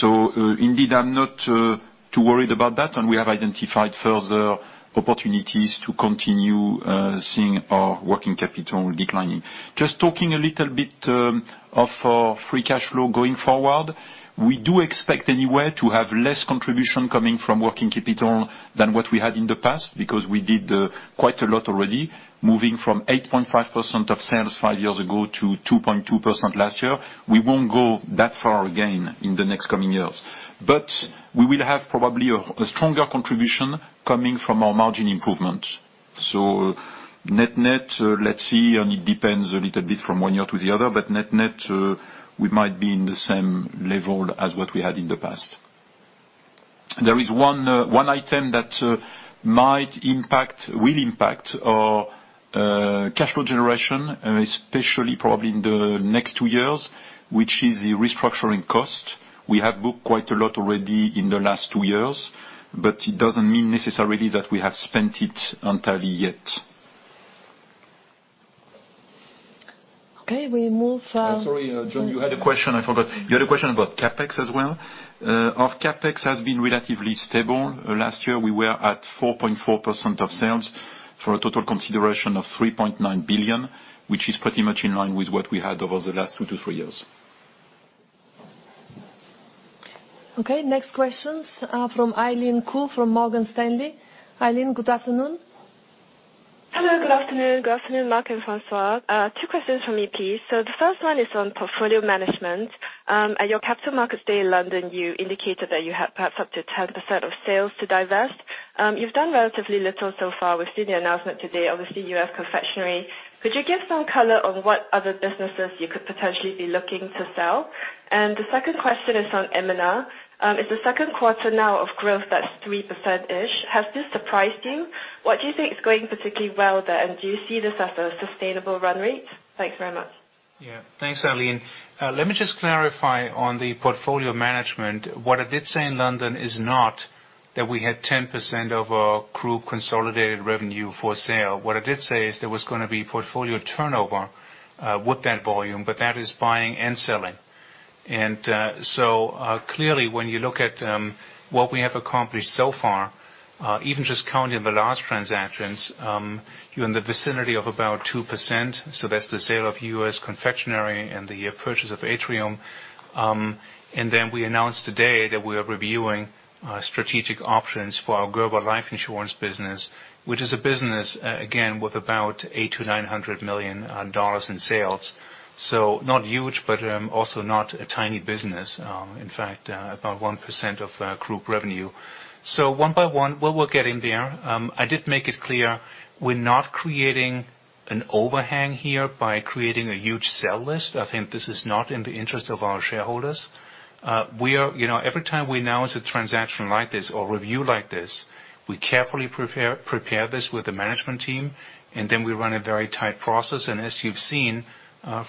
Indeed, I'm not too worried about that, and we have identified further opportunities to continue seeing our working capital declining. Just talking a little bit of our free cash flow going forward, we do expect anywhere to have less contribution coming from working capital than what we had in the past, because we did quite a lot already. Moving from 8.5% of sales five years ago to 2.2% last year. We will have probably a stronger contribution coming from our margin improvement. Net net, let's see, and it depends a little bit from one year to the other, but net net, we might be in the same level as what we had in the past. There is one item that will impact our cash flow generation, especially probably in the next two years, which is the restructuring cost. We have booked quite a lot already in the last two years, but it doesn't mean necessarily that we have spent it entirely yet. Okay. Sorry, Jon, you had a question, I forgot. You had a question about CapEx as well. Our CapEx has been relatively stable. Last year, we were at 4.4% of sales for a total consideration of 3.9 billion, which is pretty much in line with what we had over the last two to three years. Next questions are from Eileen Ku, from Morgan Stanley. Eileen, good afternoon. Hello, good afternoon. Good afternoon, Mark and François. Two questions from me, please. The first one is on portfolio management. At your Capital Markets Day in London, you indicated that you had perhaps up to 10% of sales to divest. You've done relatively little so far. We've seen the announcement today, obviously, U.S. confectionery. Could you give some color on what other businesses you could potentially be looking to sell? The second question is on M&A. It's the second quarter now of growth that's 3%-ish. Has this surprised you? What do you think is going particularly well there, and do you see this as a sustainable run rate? Thanks very much. Thanks, Eileen. Let me just clarify on the portfolio management. What I did say in London is not that we had 10% of our group consolidated revenue for sale. What I did say is there was going to be portfolio turnover with that volume, but that is buying and selling. Clearly when you look at what we have accomplished so far, even just counting the large transactions, you're in the vicinity of about 2%. That's the sale of U.S. confectionery and the purchase of Atrium. We announced today that we are reviewing strategic options for our global life insurance business, which is a business, again, with about CHF 800 million-CHF 900 million in sales. Not huge, but also not a tiny business. In fact, about 1% of group revenue. One by one, we will get in there. I did make it clear we're not creating an overhang here by creating a huge sell list. I think this is not in the interest of our shareholders. Every time we announce a transaction like this or a review like this, we carefully prepare this with the management team, then we run a very tight process. As you've seen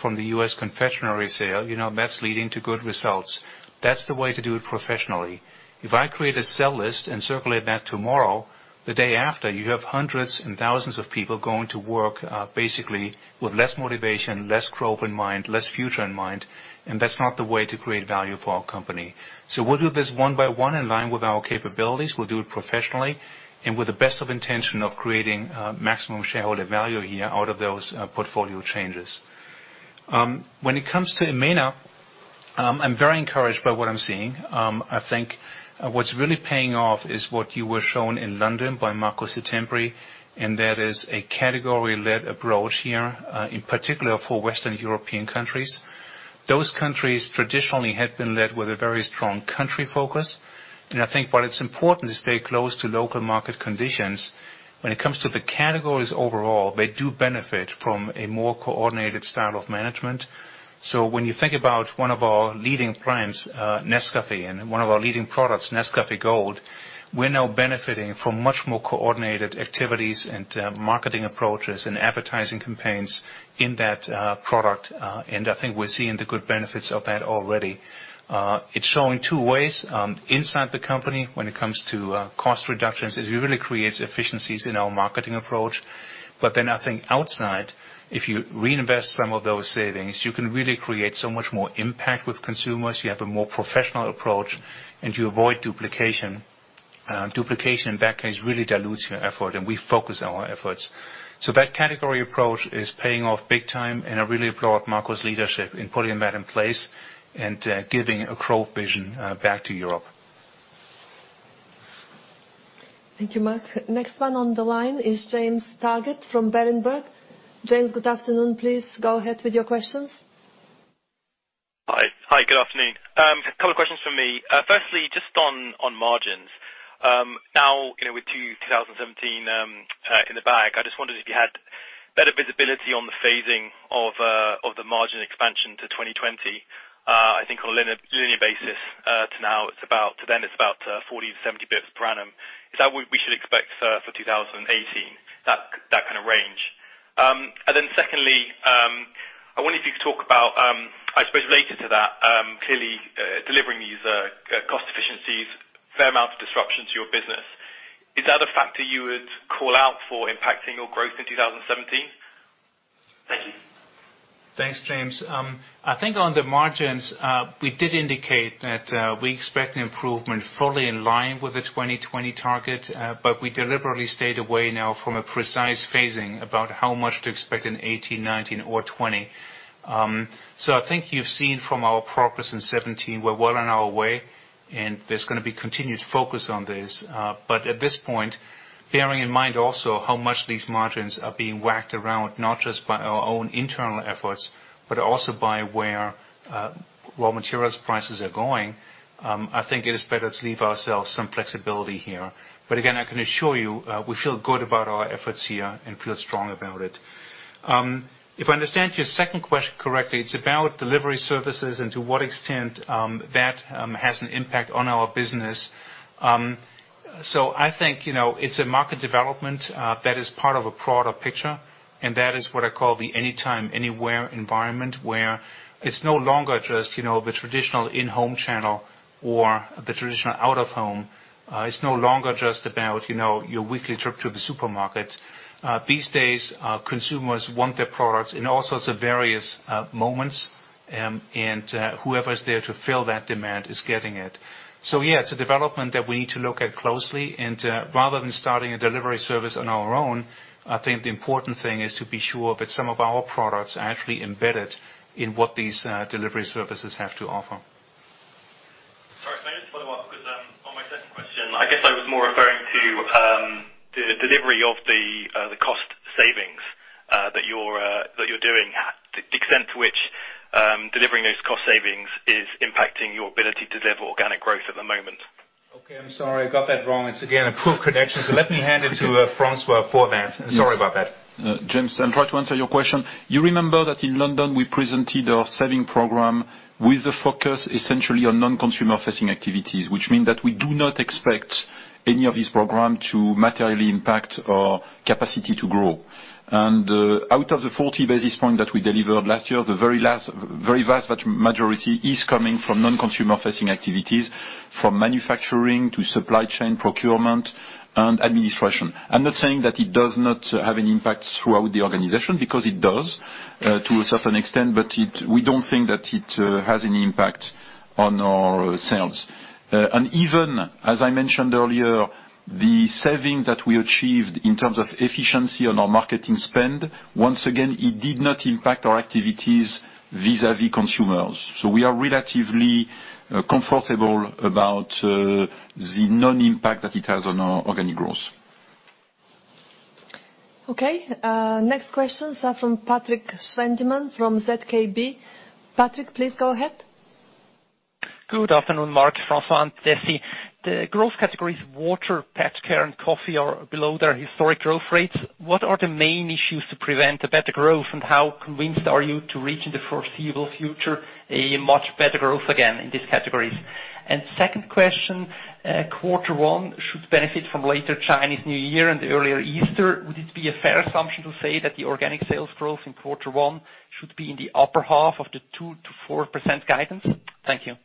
from the U.S. confectionery sale, that's leading to good results. That's the way to do it professionally. If I create a sell list and circulate that tomorrow, the day after, you have hundreds and thousands of people going to work, basically with less motivation, less growth in mind, less future in mind, and that's not the way to create value for our company. We'll do this one by one in line with our capabilities. We'll do it professionally and with the best of intention of creating maximum shareholder value here out of those portfolio changes. When it comes to M&A, I'm very encouraged by what I'm seeing. I think what's really paying off is what you were shown in London by Marco Settembri, that is a category-led approach here, in particular for Western European countries. Those countries traditionally had been led with a very strong country focus, and I think while it's important to stay close to local market conditions, when it comes to the categories overall, they do benefit from a more coordinated style of management. When you think about one of our leading brands, Nescafé, one of our leading products, Nescafé Gold, we're now benefiting from much more coordinated activities and marketing approaches and advertising campaigns in that product. I think we're seeing the good benefits of that already. It's showing two ways. Inside the company, when it comes to cost reductions, is we really create efficiencies in our marketing approach. I think outside, if you reinvest some of those savings, you can really create so much more impact with consumers. You have a more professional approach and you avoid duplication. Duplication, in that case, really dilutes your effort, we focus our efforts. That category approach is paying off big time, I really applaud Marco's leadership in putting that in place and giving a growth vision back to Europe. Thank you, Mark. Next one on the line is James Targett from Berenberg. James, good afternoon. Please go ahead with your questions. Hi, good afternoon. A couple questions from me. Firstly, just on margins. Now with 2017 in the bag, I just wondered if you had better visibility on the phasing of the margin expansion to 2020. I think on a linear basis, to then it's about 40 basis points to 70 basis points per annum. Is that what we should expect for 2018, that kind of range? Secondly, I wonder if you could talk about, I suppose related to that, clearly delivering these cost efficiencies, fair amount of disruption to your business. Is that a factor you would call out for impacting your growth in 2017? Thank you. Thanks, James. I think on the margins, we did indicate that we expect an improvement fully in line with the 2020 target. We deliberately stayed away now from a precise phasing about how much to expect in 2018, 2019, or 2020. I think you've seen from our progress in 2017, we're well on our way, and there's going to be continued focus on this. At this point, bearing in mind also how much these margins are being whacked around, not just by our own internal efforts, but also by where raw materials prices are going, I think it is better to leave ourselves some flexibility here. Again, I can assure you, we feel good about our efforts here and feel strong about it. If I understand your second question correctly, it's about delivery services and to what extent that has an impact on our business. I think it's a market development that is part of a broader picture, and that is what I call the anytime, anywhere environment where it's no longer just the traditional in-home channel or the traditional out-of-home. It's no longer just about your weekly trip to the supermarket. These days, consumers want their products in all sorts of various moments, and whoever's there to fill that demand is getting it. Yeah, it's a development that we need to look at closely. Rather than starting a delivery service on our own, I think the important thing is to be sure that some of our products are actually embedded in what these delivery services have to offer. Sorry, can I just follow up? Because on my second question, I guess I was more referring to the delivery of the cost savings that you're doing. The extent to which delivering those cost savings is impacting your ability to deliver organic growth at the moment. Okay, I'm sorry. I got that wrong. It's again, a poor connection. Let me hand it to François for that. Sorry about that. James, I'll try to answer your question. You remember that in London we presented our saving program with the focus essentially on non-consumer facing activities, which mean that we do not expect any of this program to materially impact our capacity to grow. Out of the 40 basis points that we delivered last year, the very vast majority is coming from non-consumer facing activities, from manufacturing to supply chain procurement and administration. I'm not saying that it does not have an impact throughout the organization, because it does to a certain extent, but we don't think that it has any impact on our sales. Even as I mentioned earlier, the saving that we achieved in terms of efficiency on our marketing spend, once again, it did not impact our activities vis-a-vis consumers. We are relatively comfortable about the non-impact that it has on our organic growth. Okay. Next questions are from Patrik Schwendimann from ZKB. Patrik, please go ahead. Good afternoon, Mark, François, and Dessi. The growth categories water, pet care, and coffee are below their historic growth rates. What are the main issues to prevent a better growth, and how convinced are you to reach in the foreseeable future a much better growth again in these categories? Second question, quarter one should benefit from later Chinese New Year and earlier Easter. Would it be a fair assumption to say that the organic sales growth in quarter one should be in the upper half of the 2%-4% guidance? Thank you.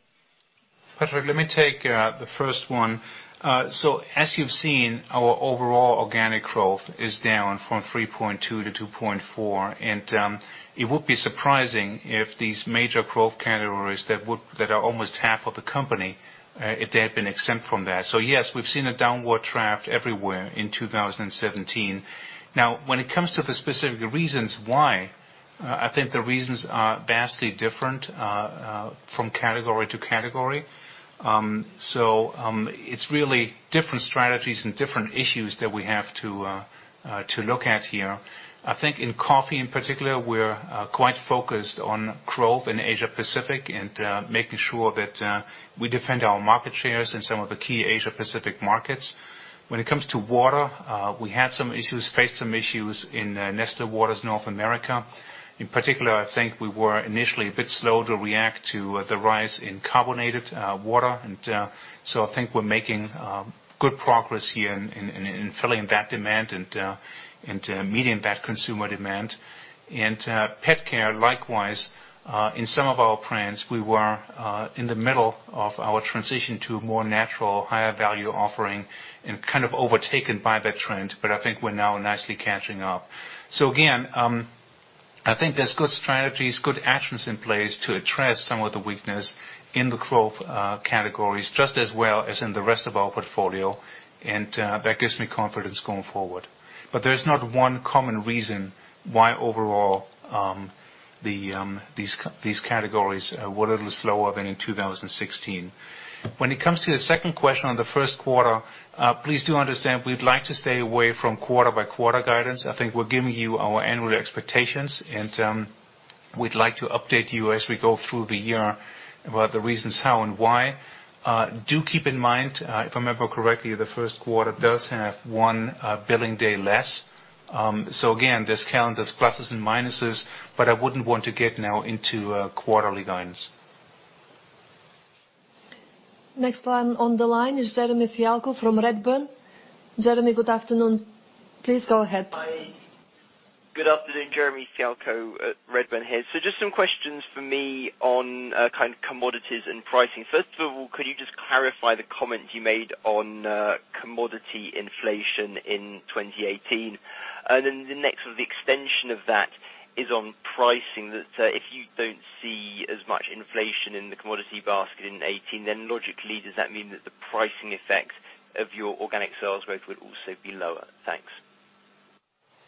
Patrik, let me take the first one. As you've seen, our overall organic growth is down from 3.2%-2.4%, and it would be surprising if these major growth categories that are almost half of the company, if they had been exempt from that. Yes, we've seen a downward trend everywhere in 2017. When it comes to the specific reasons why, I think the reasons are vastly different from category to category. It's really different strategies and different issues that we have to look at here. I think in coffee in particular, we're quite focused on growth in Asia Pacific and making sure that we defend our market shares in some of the key Asia Pacific markets. When it comes to water, we had some issues, faced some issues in Nestlé Waters North America. In particular, I think we were initially a bit slow to react to the rise in carbonated water, I think we're making good progress here in filling that demand and meeting that consumer demand. Pet care, likewise. In some of our brands, we were in the middle of our transition to a more natural, higher value offering and kind of overtaken by that trend. I think we're now nicely catching up. Again, I think there's good strategies, good actions in place to address some of the weakness in the growth categories, just as well as in the rest of our portfolio, that gives me confidence going forward. There's not one common reason why overall these categories were a little slower than in 2016. When it comes to the second question on the first quarter, please do understand we'd like to stay away from quarter by quarter guidance. I think we're giving you our annual expectations, we'd like to update you as we go through the year about the reasons how and why. Do keep in mind, if I remember correctly, the first quarter does have one billing day less. Again, this counts as pluses and minuses, I wouldn't want to get now into quarterly guidance. Next one on the line is Jeremy Fialko from Redburn. Jeremy, good afternoon. Please go ahead. Hi. Good afternoon, Jeremy Fialko at Redburn here. Just some questions from me on kind of commodities and pricing. First of all, could you just clarify the comment you made on commodity inflation in 2018? The next of the extension of that is on pricing, that if you don't see as much inflation in the commodity basket in 2018, logically, does that mean that the pricing effect of your organic sales growth would also be lower? Thanks.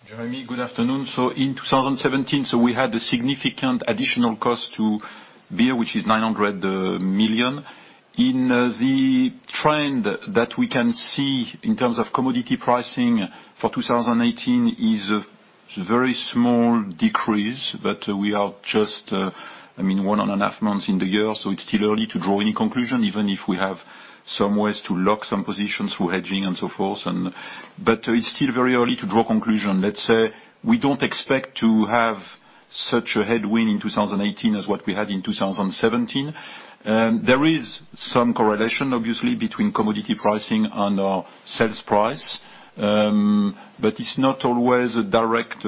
Jeremy, good afternoon. In 2017, we had a significant additional cost to bear, which is 900 million. The trend that we can see in terms of commodity pricing for 2018 is a very small decrease, but we are just one and a half months in the year, it's still early to draw any conclusion, even if we have some ways to lock some positions through hedging and so forth. It's still very early to draw conclusion. Let's say, we don't expect to have such a headwind in 2018 as what we had in 2017. There is some correlation, obviously, between commodity pricing and our sales price. It's not always a direct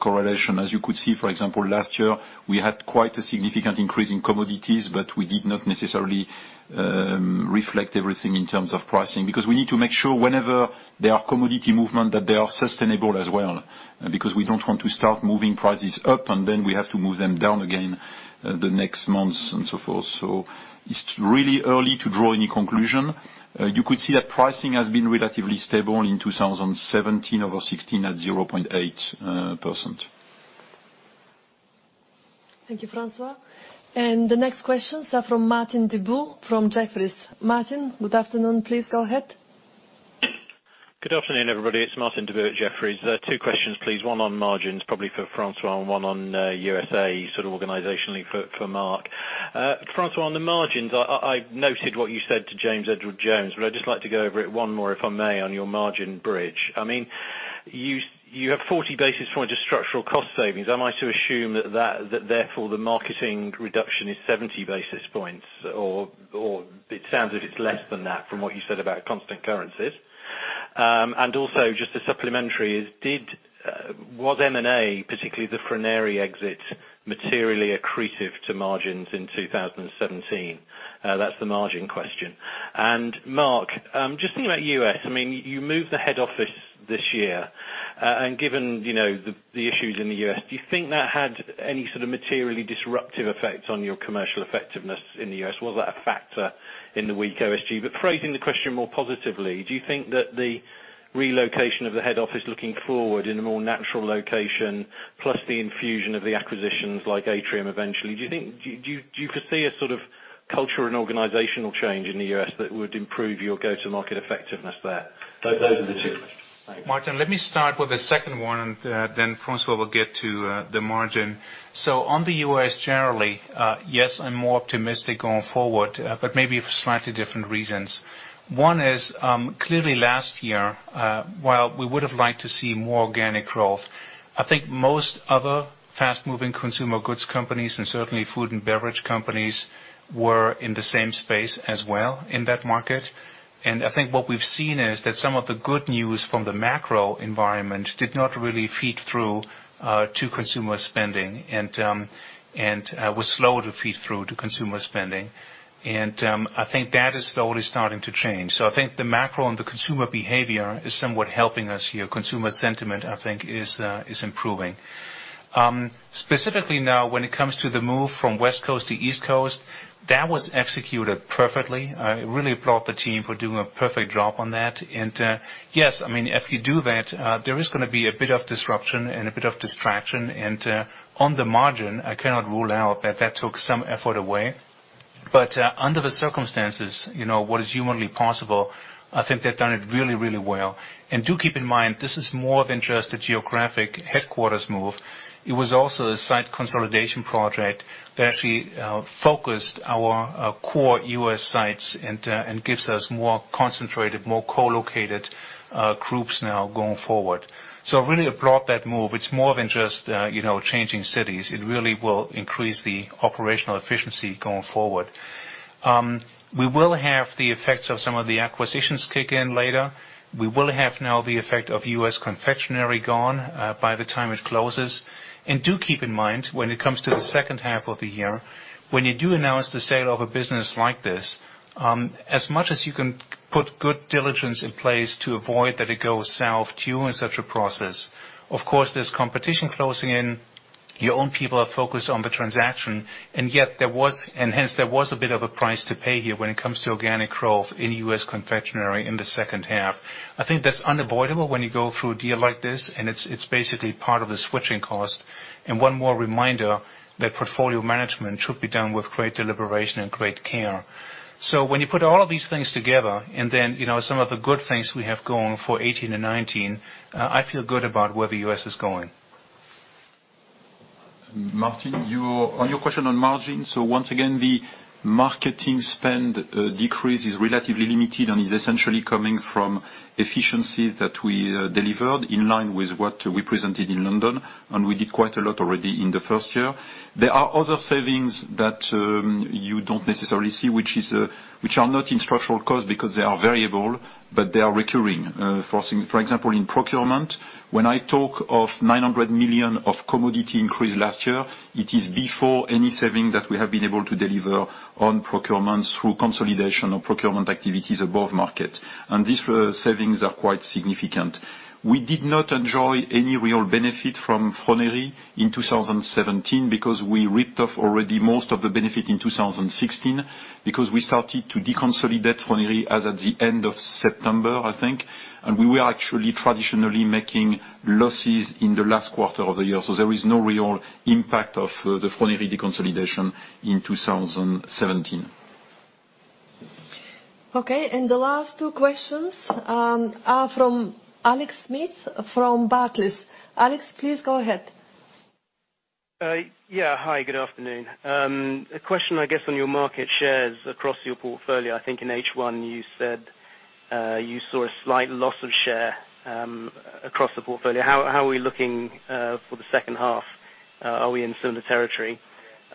correlation. As you could see, for example, last year, we had quite a significant increase in commodities, we did not necessarily reflect everything in terms of pricing. We need to make sure whenever there are commodity movement, that they are sustainable as well. We don't want to start moving prices up, then we have to move them down again the next months and so forth. It's really early to draw any conclusion. You could see that pricing has been relatively stable in 2017 over 2016 at 0.8%. Thank you, François. The next questions are from Martin Deboo from Jefferies. Martin, good afternoon. Please go ahead. Good afternoon, everybody. It's Martin Deboo at Jefferies. Two questions, please. One on margins, probably for François, and one on U.S.A., sort of organizationally for Mark. François, on the margins, I noted what you said to James Edwardes Jones, but I'd just like to go over it one more, if I may, on your margin bridge. You have 40 basis points of structural cost savings. Am I to assume that therefore the marketing reduction is 70 basis points? Or it sounds as if it's less than that from what you said about constant currencies. And also, just a supplementary is, was M&A, particularly the Froneri exit, materially accretive to margins in 2017? That's the margin question. Mark, just thinking about U.S. You moved the head office this year. Given the issues in the U.S., do you think that had any sort of materially disruptive effect on your commercial effectiveness in the U.S.? Was that a factor in the weak OSG? Phrasing the question more positively, do you think that the relocation of the head office looking forward in a more natural location, plus the infusion of the acquisitions like Atrium eventually, do you foresee a sort of culture and organizational change in the U.S. that would improve your go-to-market effectiveness there? Those are the two questions. Thanks. Martin, let me start with the second one, then François will get to the margin. On the U.S. generally, yes, I'm more optimistic going forward, but maybe for slightly different reasons. One is, clearly last year, while we would've liked to see more organic growth, I think most other fast-moving consumer goods companies and certainly food and beverage companies were in the same space as well in that market. I think what we've seen is that some of the good news from the macro environment did not really feed through to consumer spending and was slow to feed through to consumer spending. I think that is slowly starting to change. I think the macro and the consumer behavior is somewhat helping us here. Consumer sentiment, I think, is improving. Specifically now when it comes to the move from West Coast to East Coast, that was executed perfectly. I really applaud the team for doing a perfect job on that. Yes, if you do that, there is going to be a bit of disruption and a bit of distraction, and on the margin, I cannot rule out that that took some effort away. Under the circumstances, what is humanly possible, I think they've done it really, really well. Do keep in mind, this is more than just a geographic headquarters move. It was also a site consolidation project that actually focused our core U.S. sites and gives us more concentrated, more co-located groups now going forward. I really applaud that move. It's more than just changing cities. It really will increase the operational efficiency going forward. We will have the effects of some of the acquisitions kick in later. We will have now the effect of U.S. confectionery gone by the time it closes. Do keep in mind when it comes to the second half of the year, when you do announce the sale of a business like this, as much as you can put good diligence in place to avoid that it goes south during such a process, of course, there's competition closing in, your own people are focused on the transaction, and hence there was a bit of a price to pay here when it comes to organic growth in U.S. confectionery in the second half. I think that's unavoidable when you go through a deal like this, and it's basically part of the switching cost. One more reminder that portfolio management should be done with great deliberation and great care. When you put all of these things together, and then some of the good things we have going for 2018 and 2019, I feel good about where the U.S. is going. Martin, on your question on margins. Once again, the marketing spend decrease is relatively limited and is essentially coming from efficiency that we delivered in line with what we presented in London, and we did quite a lot already in the first year. There are other savings that you don't necessarily see, which are not in structural cost because they are variable, but they are recurring. For example, in procurement, when I talk of 900 million of commodity increase last year, it is before any saving that we have been able to deliver on procurement through consolidation of procurement activities above market. These savings are quite significant. We did not enjoy any real benefit from Froneri in 2017 because we writ off already most of the benefit in 2016 because we started to deconsolidate Froneri as at the end of September, I think. We were actually traditionally making losses in the last quarter of the year. There is no real impact of the Froneri deconsolidation in 2017. Okay, the last two questions are from Alex Smith from Barclays. Alex, please go ahead. Hi, good afternoon. A question, I guess, on your market shares across your portfolio. I think in H1 you said you saw a slight loss of share across the portfolio. How are we looking for the second half? Are we in similar territory?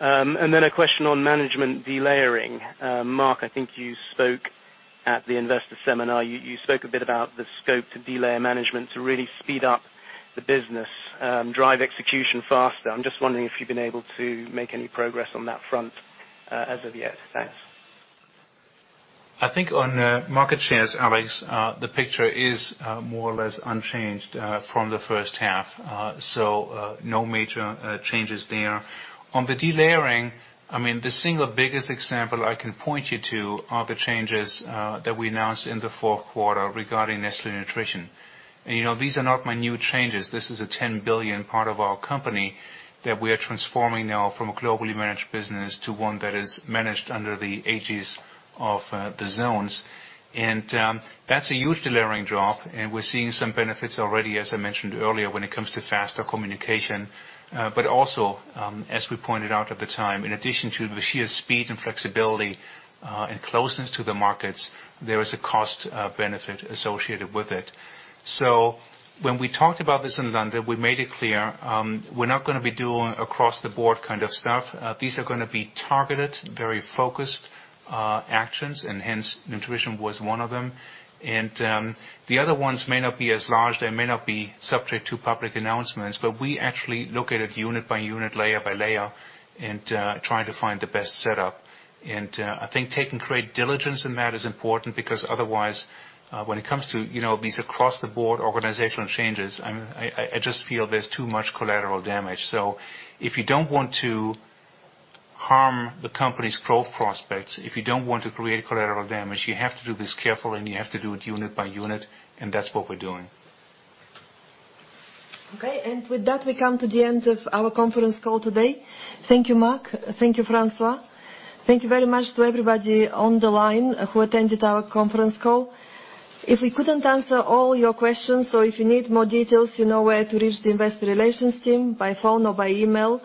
Then a question on management delayering. Mark, I think you spoke at the investor seminar. You spoke a bit about the scope to delayer management to really speed up the business, drive execution faster. I'm just wondering if you've been able to make any progress on that front as of yet. Thanks. I think on market shares, Alex, the picture is more or less unchanged from the first half. No major changes there. On the delayering, the single biggest example I can point you to are the changes that we announced in the fourth quarter regarding Nestlé Nutrition. These are not minute changes. This is a 10 billion part of our company that we are transforming now from a globally managed business to one that is managed under the aegis of the zones. That's a huge delayering job, and we're seeing some benefits already, as I mentioned earlier, when it comes to faster communication. Also, as we pointed out at the time, in addition to the sheer speed and flexibility, and closeness to the markets, there is a cost benefit associated with it. When we talked about this in London, we made it clear we're not going to be doing across the board kind of stuff. These are going to be targeted, very focused actions, hence Nutrition was one of them. The other ones may not be as large. They may not be subject to public announcements. We actually look at it unit by unit, layer by layer, and try to find the best setup. I think taking great diligence in that is important because otherwise, when it comes to these across-the-board organizational changes, I just feel there's too much collateral damage. If you don't want to harm the company's growth prospects, if you don't want to create collateral damage, you have to do this carefully, and you have to do it unit by unit, that's what we're doing. Okay. With that, we come to the end of our conference call today. Thank you, Mark. Thank you, François. Thank you very much to everybody on the line who attended our conference call. If we couldn't answer all your questions or if you need more details, you know where to reach the investor relations team by phone or by email,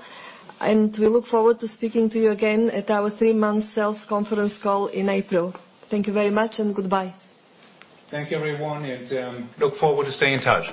and we look forward to speaking to you again at our three-month sales conference call in April. Thank you very much, and goodbye. Thank you, everyone, and look forward to staying in touch.